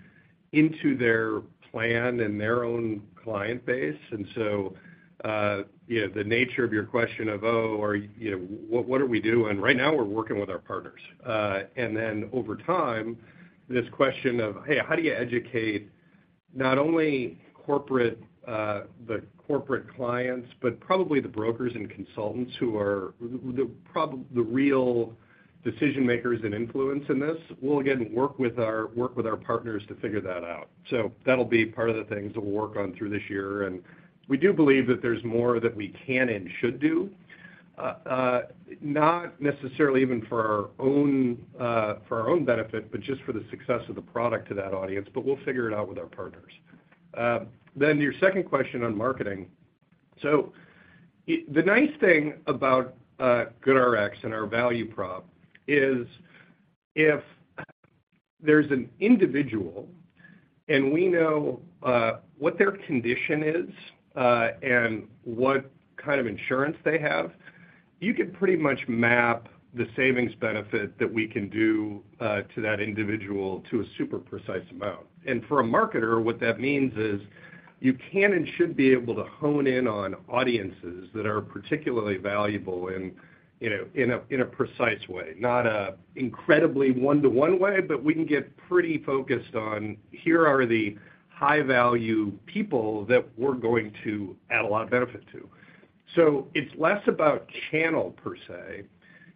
into their plan and their own client base. And so, you know, the nature of your question of, oh, are, you know, what are we doing? Right now, we're working with our partners. And then over time, this question of, hey, how do you educate not only the corporate clients, but probably the brokers and consultants who are the real decision-makers and influence in this. We'll again work with our partners to figure that out. So that'll be part of the things that we'll work on through this year, and we do believe that there's more that we can and should do, not necessarily even for our own, for our own benefit, but just for the success of the product to that audience, but we'll figure it out with our partners. Then your second question on marketing. So the nice thing about, GoodRx and our value prop is, if there's an individual, and we know, what their condition is, and what kind of insurance they have, you can pretty much map the savings benefit that we can do, to that individual to a super precise amount. For a marketer, what that means is, you can and should be able to hone in on audiences that are particularly valuable and, you know, in a precise way, not an incredibly one-to-one way, but we can get pretty focused on, here are the high-value people that we're going to add a lot of benefit to. So it's less about channel per se,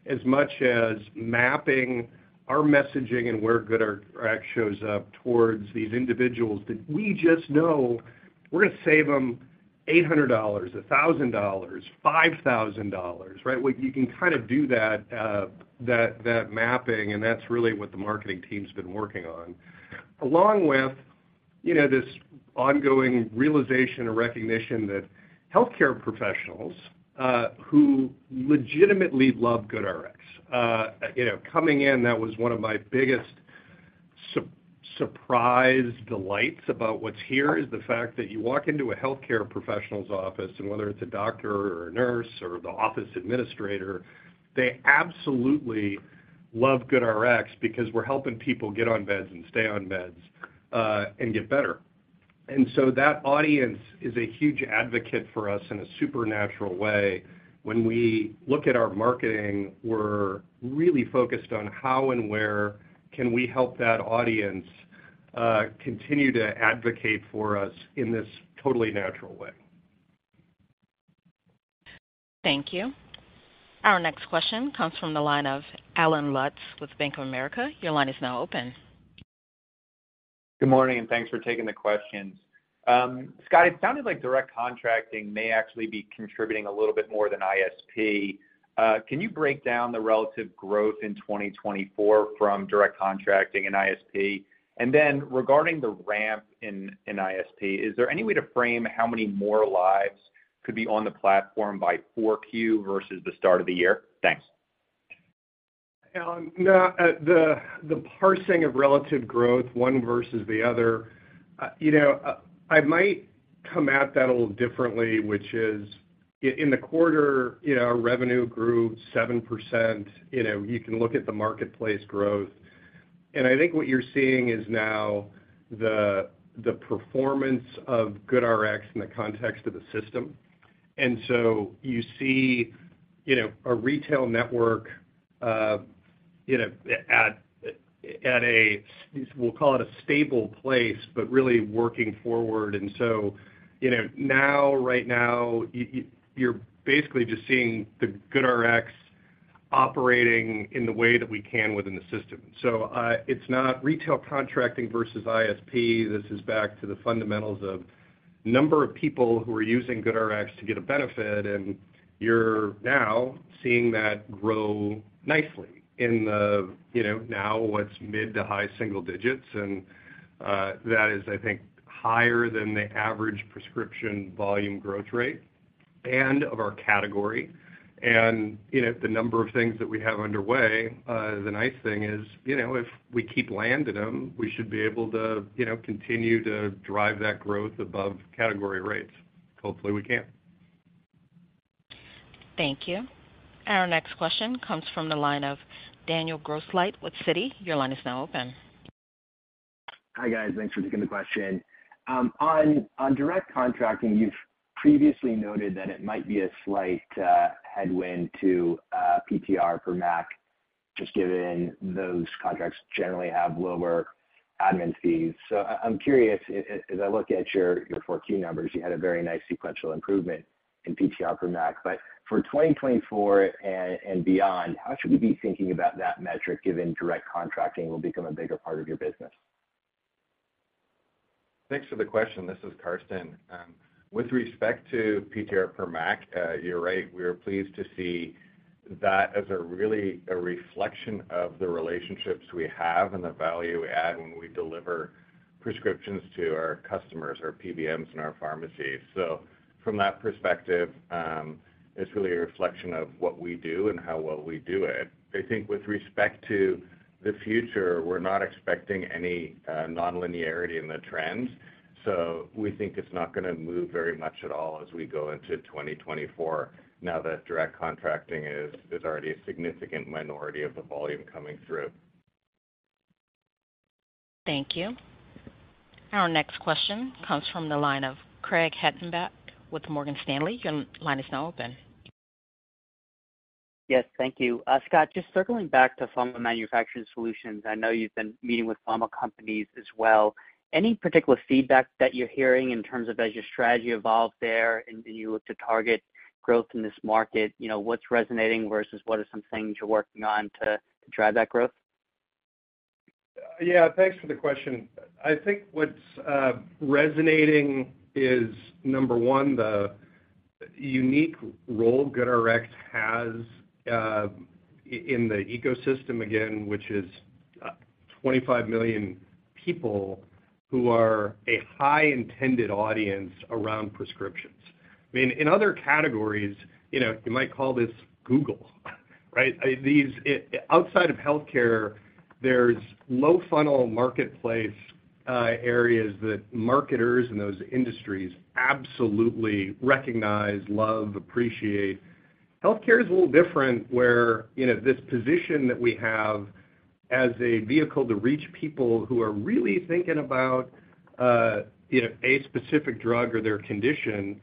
as much as mapping our messaging and where GoodRx shows up towards these individuals that we just know we're gonna save them $800, $1,000, $5,000, right? Well, you can kind of do that, that mapping, and that's really what the marketing team's been working on. Along with, you know, this ongoing realization or recognition that healthcare professionals who legitimately love GoodRx. You know, coming in, that was one of my biggest surprise delights about what's here, is the fact that you walk into a healthcare professional's office, and whether it's a doctor or a nurse or the office administrator, they absolutely love GoodRx because we're helping people get on beds and stay on meds, and get better. And so that audience is a huge advocate for us in a supernatural way. When we look at our marketing, we're really focused on how and where can we help that audience, continue to advocate for us in this totally natural way. Thank you. Our next question comes from the line of Alan Lutz with Bank of America. Your line is now open. Good morning, and thanks for taking the questions. Scott, it sounded like direct contracting may actually be contributing a little bit more than ISP. Can you break down the relative growth in 2024 from direct contracting and ISP? And then regarding the ramp in ISP, is there any way to frame how many more lives could be on the platform by Q4 versus the start of the year? Thanks. Alan, no, the parsing of relative growth, one versus the other, you know, I might come at that a little differently, which is, in the quarter, you know, our revenue grew 7%. You know, you can look at the marketplace growth, and I think what you're seeing is now the performance of GoodRx in the context of the system. And so you see, you know, a retail network, you know, at a, we'll call it a stable place, but really working forward. And so, you know, now, right now, you're basically just seeing the GoodRx operating in the way that we can within the system. So, it's not retail contracting versus ISP. This is back to the fundamentals of number of people who are using GoodRx to get a benefit, and you're now seeing that grow nicely in the, you know, now what's mid to high single digits, and, that is, I think, higher than the average prescription volume growth rate and of our category. And, you know, the number of things that we have underway, the nice thing is, you know, if we keep landing them, we should be able to, you know, continue to drive that growth above category rates. Hopefully, we can. Thank you. Our next question comes from the line of Daniel Grosslight with Citi. Your line is now open. Hi, guys. Thanks for taking the question. On direct contracting, you've previously noted that it might be a slight headwind to PTR per MAC, just given those contracts generally have lower admin fees. So I'm curious, as I look at your four key numbers, you had a very nice sequential improvement in PTR per MAC. But for 2024 and beyond, how should we be thinking about that metric, given direct contracting will become a bigger part of your business? Thanks for the question. This is Karsten. With respect to PTR per MAC, you're right. We are pleased to see that as really a reflection of the relationships we have and the value we add when we deliver prescriptions to our customers, our PBMs, and our pharmacies. So from that perspective, it's really a reflection of what we do and how well we do it. I think with respect to the future, we're not expecting any nonlinearity in the trends, so we think it's not gonna move very much at all as we go into 2024, now that direct contracting is already a significant minority of the volume coming through. Thank you. Our next question comes from the line of Craig Hettenbach with Morgan Stanley. Your line is now open.... Yes, thank you. Scott, just circling back to Pharma Manufacturer Solutions, I know you've been meeting with pharma companies as well. Any particular feedback that you're hearing in terms of as your strategy evolved there, and you look to target growth in this market, you know, what's resonating versus what are some things you're working on to drive that growth? Yeah, thanks for the question. I think what's resonating is, number one, the unique role GoodRx has in the ecosystem, again, which is 25 million people who are a high intended audience around prescriptions. I mean, in other categories, you know, you might call this Google, right? These outside of healthcare, there's low funnel marketplace areas that marketers in those industries absolutely recognize, love, appreciate. Healthcare is a little different, where, you know, this position that we have as a vehicle to reach people who are really thinking about, you know, a specific drug or their condition,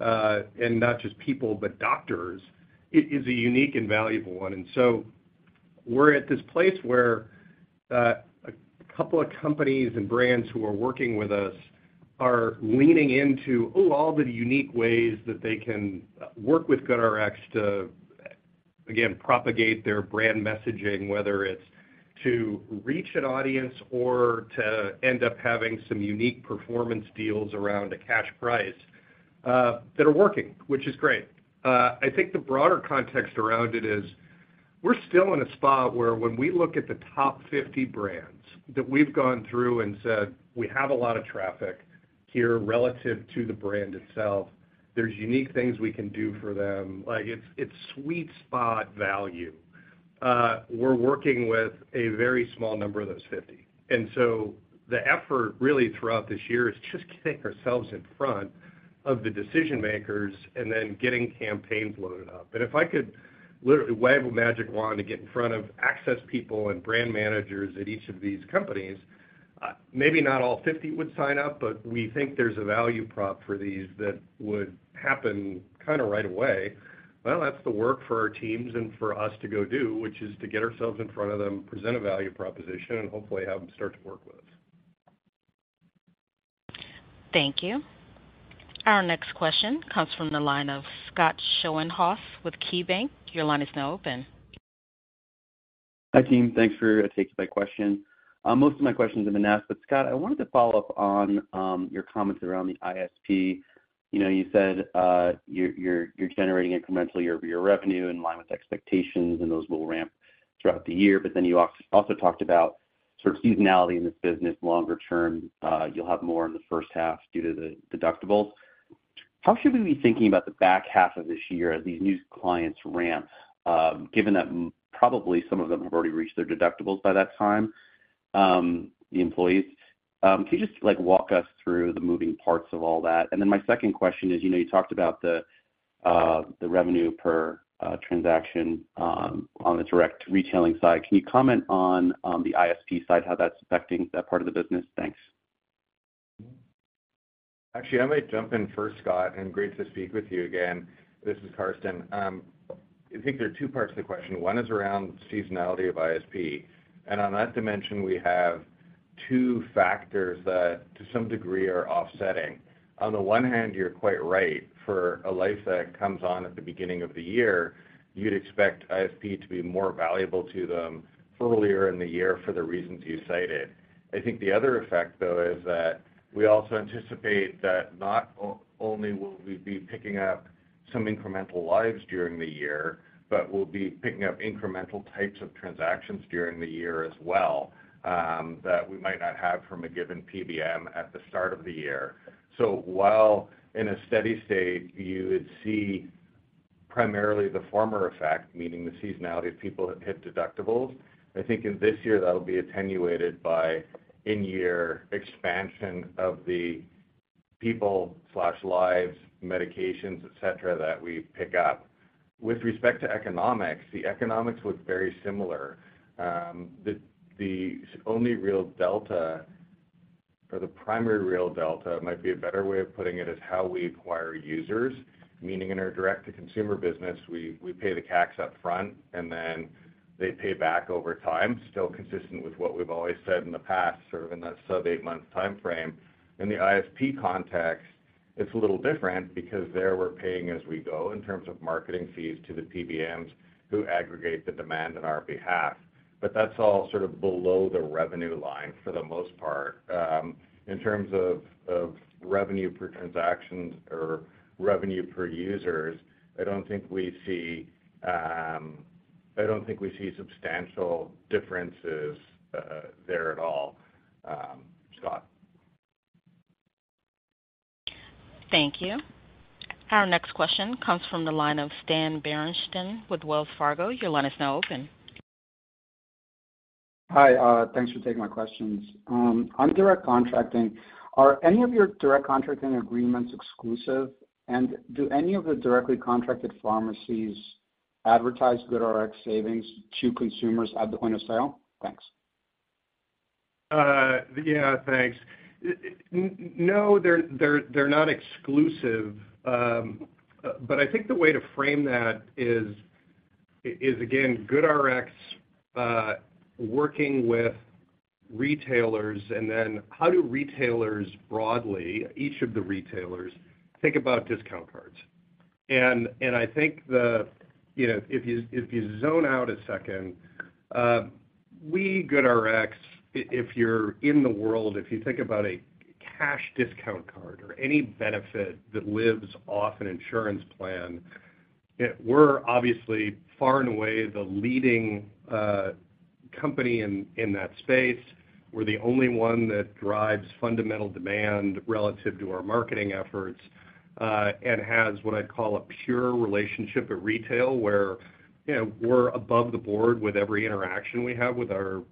and not just people, but doctors, is a unique and valuable one. So we're at this place where a couple of companies and brands who are working with us are leaning into, oh, all the unique ways that they can work with GoodRx to, again, propagate their brand messaging, whether it's to reach an audience or to end up having some unique performance deals around a cash price that are working, which is great. I think the broader context around it is, we're still in a spot where when we look at the top 50 brands that we've gone through and said, "We have a lot of traffic here relative to the brand itself, there's unique things we can do for them." Like, it's, it's sweet spot value. We're working with a very small number of those 50, and so the effort really throughout this year is just getting ourselves in front of the decision makers and then getting campaigns loaded up. If I could literally wave a magic wand to get in front of access people and brand managers at each of these companies, maybe not all 50 would sign up, but we think there's a value prop for these that would happen kind of right away. Well, that's the work for our teams and for us to go do, which is to get ourselves in front of them, present a value proposition, and hopefully have them start to work with us. Thank you. Our next question comes from the line of Scott Schoenhaus with KeyBanc. Your line is now open. Hi, team. Thanks for taking my question. Most of my questions have been asked, but Scott, I wanted to follow up on your comments around the ISP. You know, you said you're generating incremental year-over-year revenue in line with expectations, and those will ramp throughout the year. But then you also talked about sort of seasonality in this business. Longer term, you'll have more in the first half due to the deductibles. How should we be thinking about the back half of this year as these new clients ramp, given that probably some of them have already reached their deductibles by that time, the employees? Can you just, like, walk us through the moving parts of all that? And then my second question is, you know, you talked about the revenue per transaction on the direct retailing side. Can you comment on the ISP side, how that's affecting that part of the business? Thanks. Actually, I might jump in first, Scott, and great to speak with you again. This is Karsten. I think there are two parts to the question. One is around seasonality of ISP, and on that dimension, we have two factors that, to some degree, are offsetting. On the one hand, you're quite right. For a life that comes on at the beginning of the year, you'd expect ISP to be more valuable to them earlier in the year for the reasons you cited. I think the other effect, though, is that we also anticipate that not only will we be picking up some incremental lives during the year, but we'll be picking up incremental types of transactions during the year as well, that we might not have from a given PBM at the start of the year. So while in a steady state, you would see primarily the former effect, meaning the seasonality of people that hit deductibles, I think in this year, that'll be attenuated by in-year expansion of the people slash lives, medications, et cetera, that we pick up. With respect to economics, the economics look very similar. The only real delta, or the primary real delta might be a better way of putting it, is how we acquire users. Meaning in our direct-to-consumer business, we pay the CACs up front, and then they pay back over time, still consistent with what we've always said in the past, sort of in that sub-8-month timeframe. In the ISP context, it's a little different because there we're paying as we go in terms of marketing fees to the PBMs, who aggregate the demand on our behalf. But that's all sort of below the revenue line for the most part. In terms of revenue per transactions or revenue per users, I don't think we see substantial differences there at all, Scott. Thank you. Our next question comes from the line of Stan Berenshteyn with Wells Fargo. Your line is now open. Hi, thanks for taking my questions. On direct contracting, are any of your direct contracting agreements exclusive? And do any of the directly contracted pharmacies advertise GoodRx savings to consumers at the point of sale? Thanks.... Yeah, thanks. No, they're not exclusive. But I think the way to frame that is, is again, GoodRx working with retailers, and then how do retailers broadly, each of the retailers, think about discount cards? And I think, you know, if you zone out a second, we, GoodRx, if you're in the world, if you think about a cash discount card or any benefit that lives off an insurance plan, it. We're obviously far and away the leading company in that space. We're the only one that drives fundamental demand relative to our marketing efforts, and has what I'd call a pure relationship at retail, where, you know, we're above the board with every interaction we have with our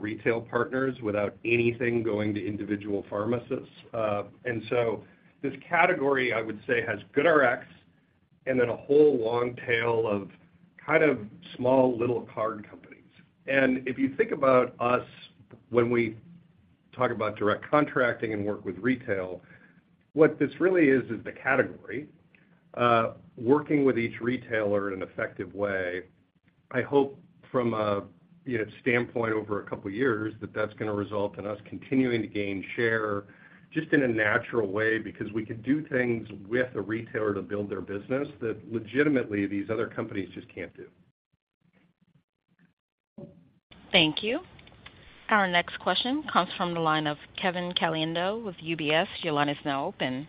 retail partners, without anything going to individual pharmacists. So this category, I would say, has GoodRx, and then a whole long tail of kind of small, little card companies. If you think about us when we talk about direct contracting and work with retail, what this really is, is the category, working with each retailer in an effective way. I hope from a, you know, standpoint over a couple of years, that that's gonna result in us continuing to gain share just in a natural way, because we can do things with the retailer to build their business, that legitimately, these other companies just can't do. Thank you. Our next question comes from the line of Kevin Caliendo with UBS. Your line is now open.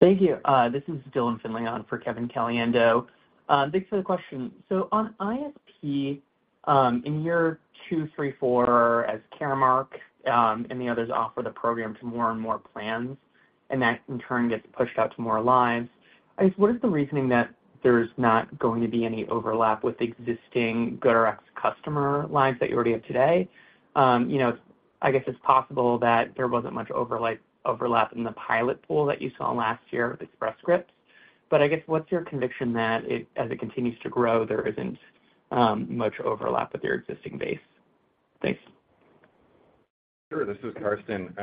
Thank you. This is Dylan Finley on for Kevin Caliendo. Thanks for the question. So on ISP, in year 2, 3, 4, as Caremark, and the others offer the program to more and more plans, and that in turn, gets pushed out to more lives, I guess, what is the reasoning that there's not going to be any overlap with the existing GoodRx customer lives that you already have today? You know, I guess it's possible that there wasn't much overlap in the pilot pool that you saw last year with Express Scripts. But I guess, what's your conviction that it, as it continues to grow, there isn't, much overlap with your existing base? Thanks. Sure. This is Karsten.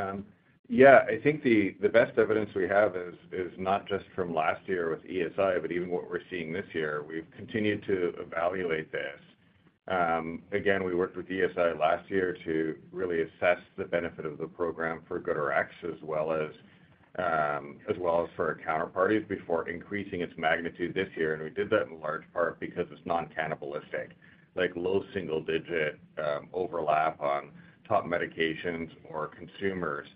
Yeah, I think the best evidence we have is not just from last year with ESI, but even what we're seeing this year. We've continued to evaluate this. Again, we worked with ESI last year to really assess the benefit of the program for GoodRx, as well as for our counterparties, before increasing its magnitude this year. And we did that in large part because it's not cannibalistic, like low single digit overlap on top medications or consumers.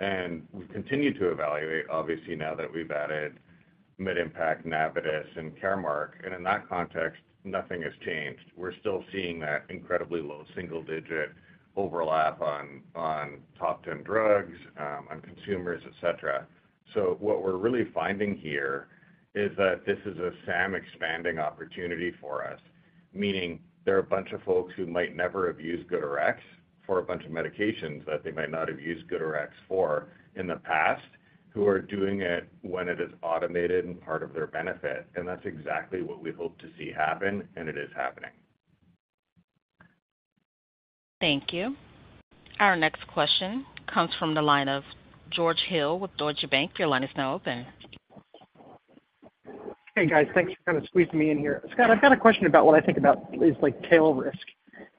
And we've continued to evaluate, obviously, now that we've added MedImpact, Navitus and Caremark, and in that context, nothing has changed. We're still seeing that incredibly low single digit overlap on top 10 drugs on consumers, et cetera. So what we're really finding here is that this is a SAM expanding opportunity for us, meaning there are a bunch of folks who might never have used GoodRx for a bunch of medications that they might not have used GoodRx for in the past, who are doing it when it is automated and part of their benefit, and that's exactly what we hope to see happen, and it is happening. Thank you. Our next question comes from the line of George Hill with Deutsche Bank. Your line is now open. Hey, guys, thanks for kind of squeezing me in here. Scott, I've got a question about what I think about is, like, tail risk,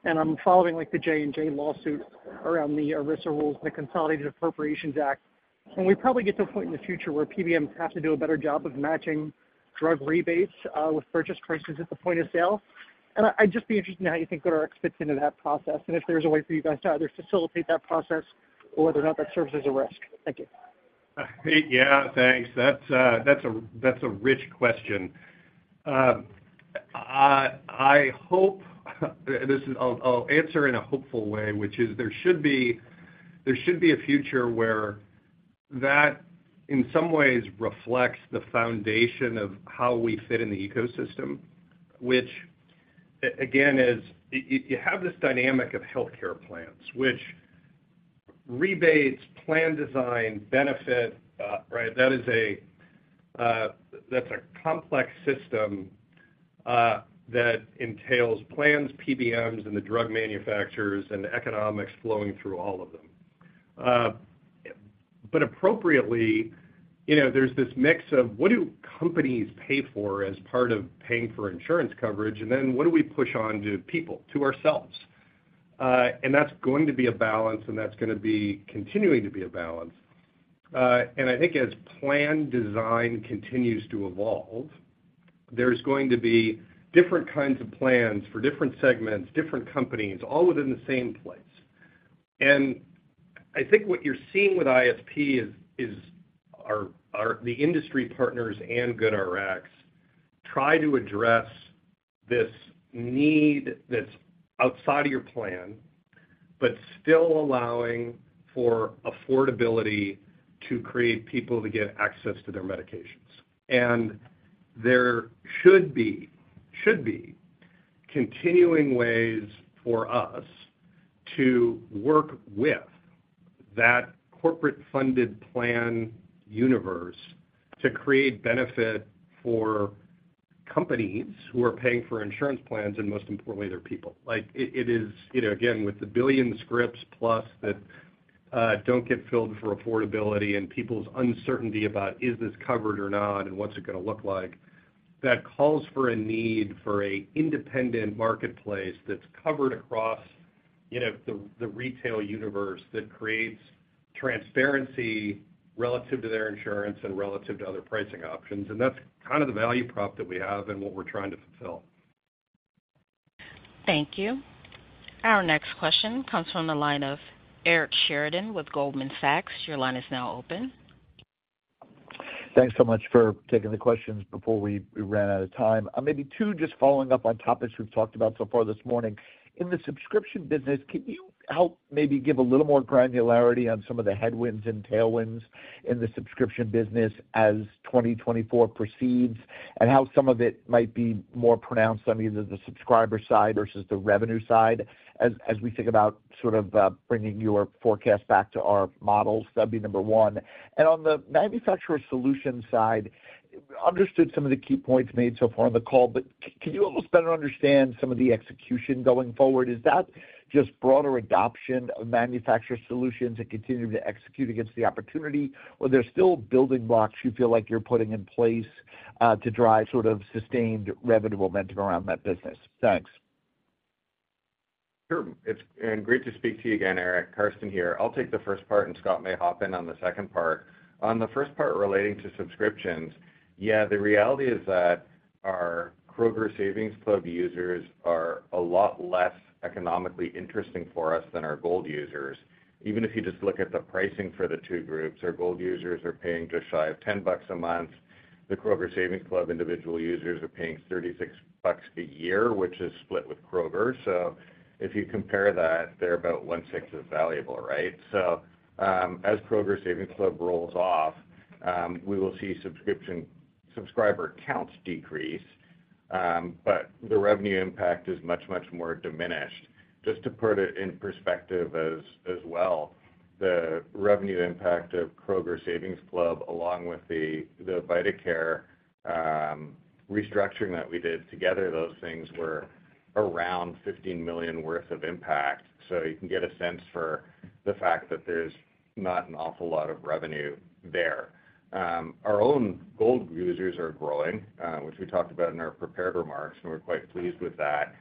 and I'm following, like, the JNJ lawsuit around the ERISA rules and the Consolidated Appropriations Act. And we probably get to a point in the future where PBMs have to do a better job of matching drug rebates with purchase prices at the point of sale. And I, I'd just be interested in how you think GoodRx fits into that process, and if there's a way for you guys to either facilitate that process or whether or not that serves as a risk. Thank you. Yeah, thanks. That's a rich question. I'll answer in a hopeful way, which is there should be a future where that, in some ways, reflects the foundation of how we fit in the ecosystem. Which, again, is you have this dynamic of healthcare plans, which rebates, plan, design, benefit, right? That is a complex system that entails plans, PBMs, and the drug manufacturers, and the economics flowing through all of them. But appropriately, you know, there's this mix of: what do companies pay for as part of paying for insurance coverage, and then what do we push on to people, to ourselves? And that's going to be a balance, and that's gonna be continuing to be a balance. And I think as plan design continues to evolve, there's going to be different kinds of plans for different segments, different companies, all within the same place. And I think what you're seeing with ISP is how the industry partners and GoodRx try to address this need that's outside of your plan, but still allowing for affordability to create people to get access to their medications. And there should be continuing ways for us to work with that corporate funded plan universe to create benefit for companies who are paying for insurance plans, and most importantly, their people. Like, it is, you know, again, with the 1 billion scripts plus that don't get filled for affordability and people's uncertainty about is this covered or not, and what's it gonna look like? That calls for a need for an independent marketplace that's covered across, you know, the retail universe, that creates transparency relative to their insurance and relative to other pricing options. And that's kind of the value prop that we have and what we're trying to fulfill. Thank you. Our next question comes from the line of Eric Sheridan with Goldman Sachs. Your line is now open. Thanks so much for taking the questions before we ran out of time. Maybe two, just following up on topics we've talked about so far this morning. In the subscription business, can you help maybe give a little more granularity on some of the headwinds and tailwinds in the subscription business as 2024 proceeds, and how some of it might be more pronounced on either the subscriber side versus the revenue side, as we think about sort of bringing your forecast back to our models? That'd be number one. On the manufacturer solution side, understood some of the key points made so far on the call, but can you help us better understand some of the execution going forward? Is that just broader adoption of manufacturer solutions and continuing to execute against the opportunity, or there's still building blocks you feel like you're putting in place, to drive sort of sustained revenue momentum around that business? Thanks. Sure. It's great to speak to you again, Eric. Karsten here. I'll take the first part, and Scott may hop in on the second part. On the first part relating to subscriptions, yeah, the reality is that our Kroger Savings Club users are a lot less economically interesting for us than our Gold users. Even if you just look at the pricing for the two groups, our Gold users are paying just shy of $10 a month. The Kroger Savings Club individual users are paying $36 a year, which is split with Kroger. So if you compare that, they're about 1/6 as valuable, right? So, as Kroger Savings Club rolls off, we will see subscription subscriber counts decrease, but the revenue impact is much, much more diminished. Just to put it in perspective as well, the revenue impact of Kroger Savings Club, along with the vitaCare restructuring that we did, together, those things were around $15 million worth of impact. So you can get a sense for the fact that there's not an awful lot of revenue there. Our own Gold users are growing, which we talked about in our prepared remarks, and we're quite pleased with that,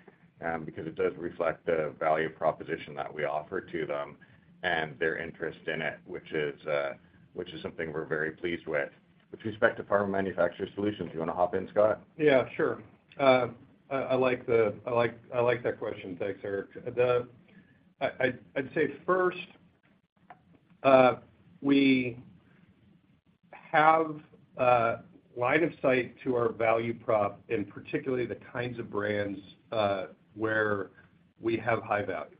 because it does reflect the value proposition that we offer to them and their interest in it, which is something we're very pleased with. With respect to Pharma Manufacturer Solutions, you wanna hop in, Scott? Yeah, sure. I like that question. Thanks, Eric. The... I'd say first, we have a line of sight to our value prop, and particularly the kinds of brands where we have high value.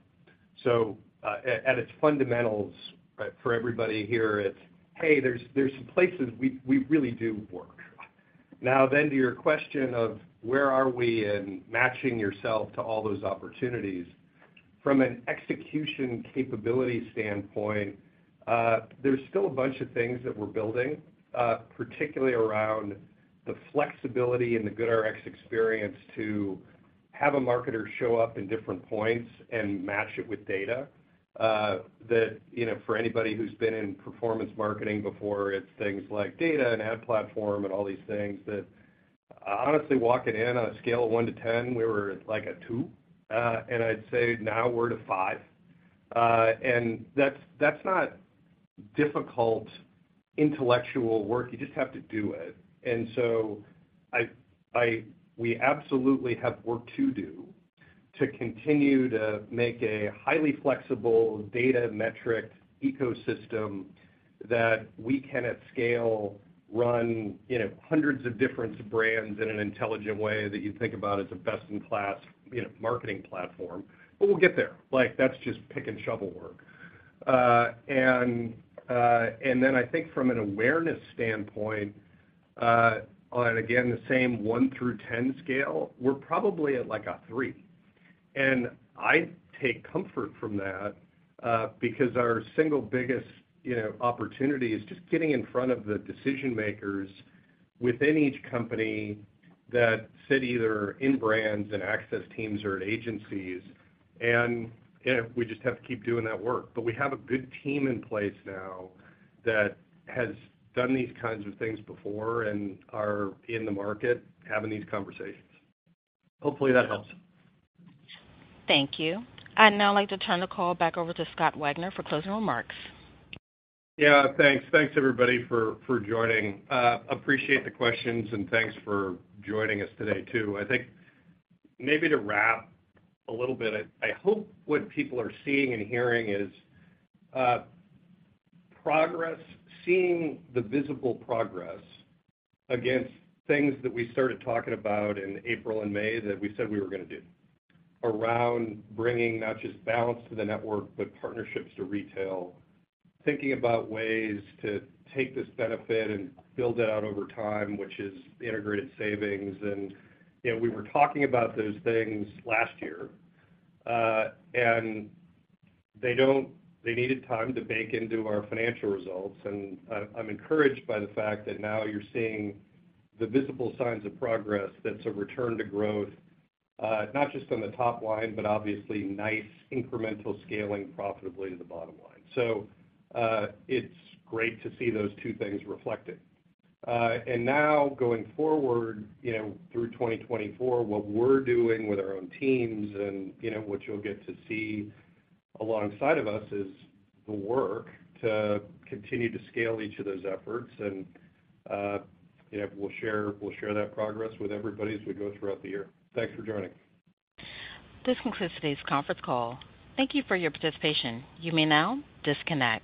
So, at its fundamentals, right, for everybody here, it's, "Hey, there's some places we really do work." Now, then to your question of where are we in matching yourself to all those opportunities, from an execution capability standpoint, there's still a bunch of things that we're building, particularly around the flexibility and the GoodRx experience, to have a marketer show up in different points and match it with data. That, you know, for anybody who's been in performance marketing before, it's things like data and ad platform and all these things that, honestly, walking in, on a scale of one to 10, we were at, like, a 2. And I'd say now we're at a 5. And that's not difficult intellectual work. You just have to do it. And so we absolutely have work to do to continue to make a highly flexible data metric ecosystem that we can, at scale, run, you know, hundreds of different brands in an intelligent way that you'd think about as a best-in-class, you know, marketing platform. But we'll get there. Like, that's just pick and shovel work. And then I think from an awareness standpoint, on, again, the same 1-10 scale, we're probably at, like, a 3. I take comfort from that, because our single biggest, you know, opportunity is just getting in front of the decision makers within each company that sit either in brands and access teams or at agencies, and, you know, we just have to keep doing that work. But we have a good team in place now that has done these kinds of things before and are in the market, having these conversations. Hopefully, that helps. Thank you. I'd now like to turn the call back over to Scott Wagner for closing remarks. Yeah, thanks. Thanks, everybody, for joining. Appreciate the questions, and thanks for joining us today, too. I think maybe to wrap a little bit, I hope what people are seeing and hearing is progress, seeing the visible progress against things that we started talking about in April and May that we said we were gonna do, around bringing not just balance to the network, but partnerships to retail. Thinking about ways to take this benefit and build it out over time, which is integrated savings. And, you know, we were talking about those things last year. They needed time to bake into our financial results, and I'm encouraged by the fact that now you're seeing the visible signs of progress that's a return to growth, not just on the top line, but obviously nice incremental scaling profitably to the bottom line. So, it's great to see those two things reflected. And now, going forward, you know, through 2024, what we're doing with our own teams and, you know, what you'll get to see alongside of us, is the work to continue to scale each of those efforts. And, you know, we'll share, we'll share that progress with everybody as we go throughout the year. Thanks for joining. This concludes today's conference call. Thank you for your participation. You may now disconnect.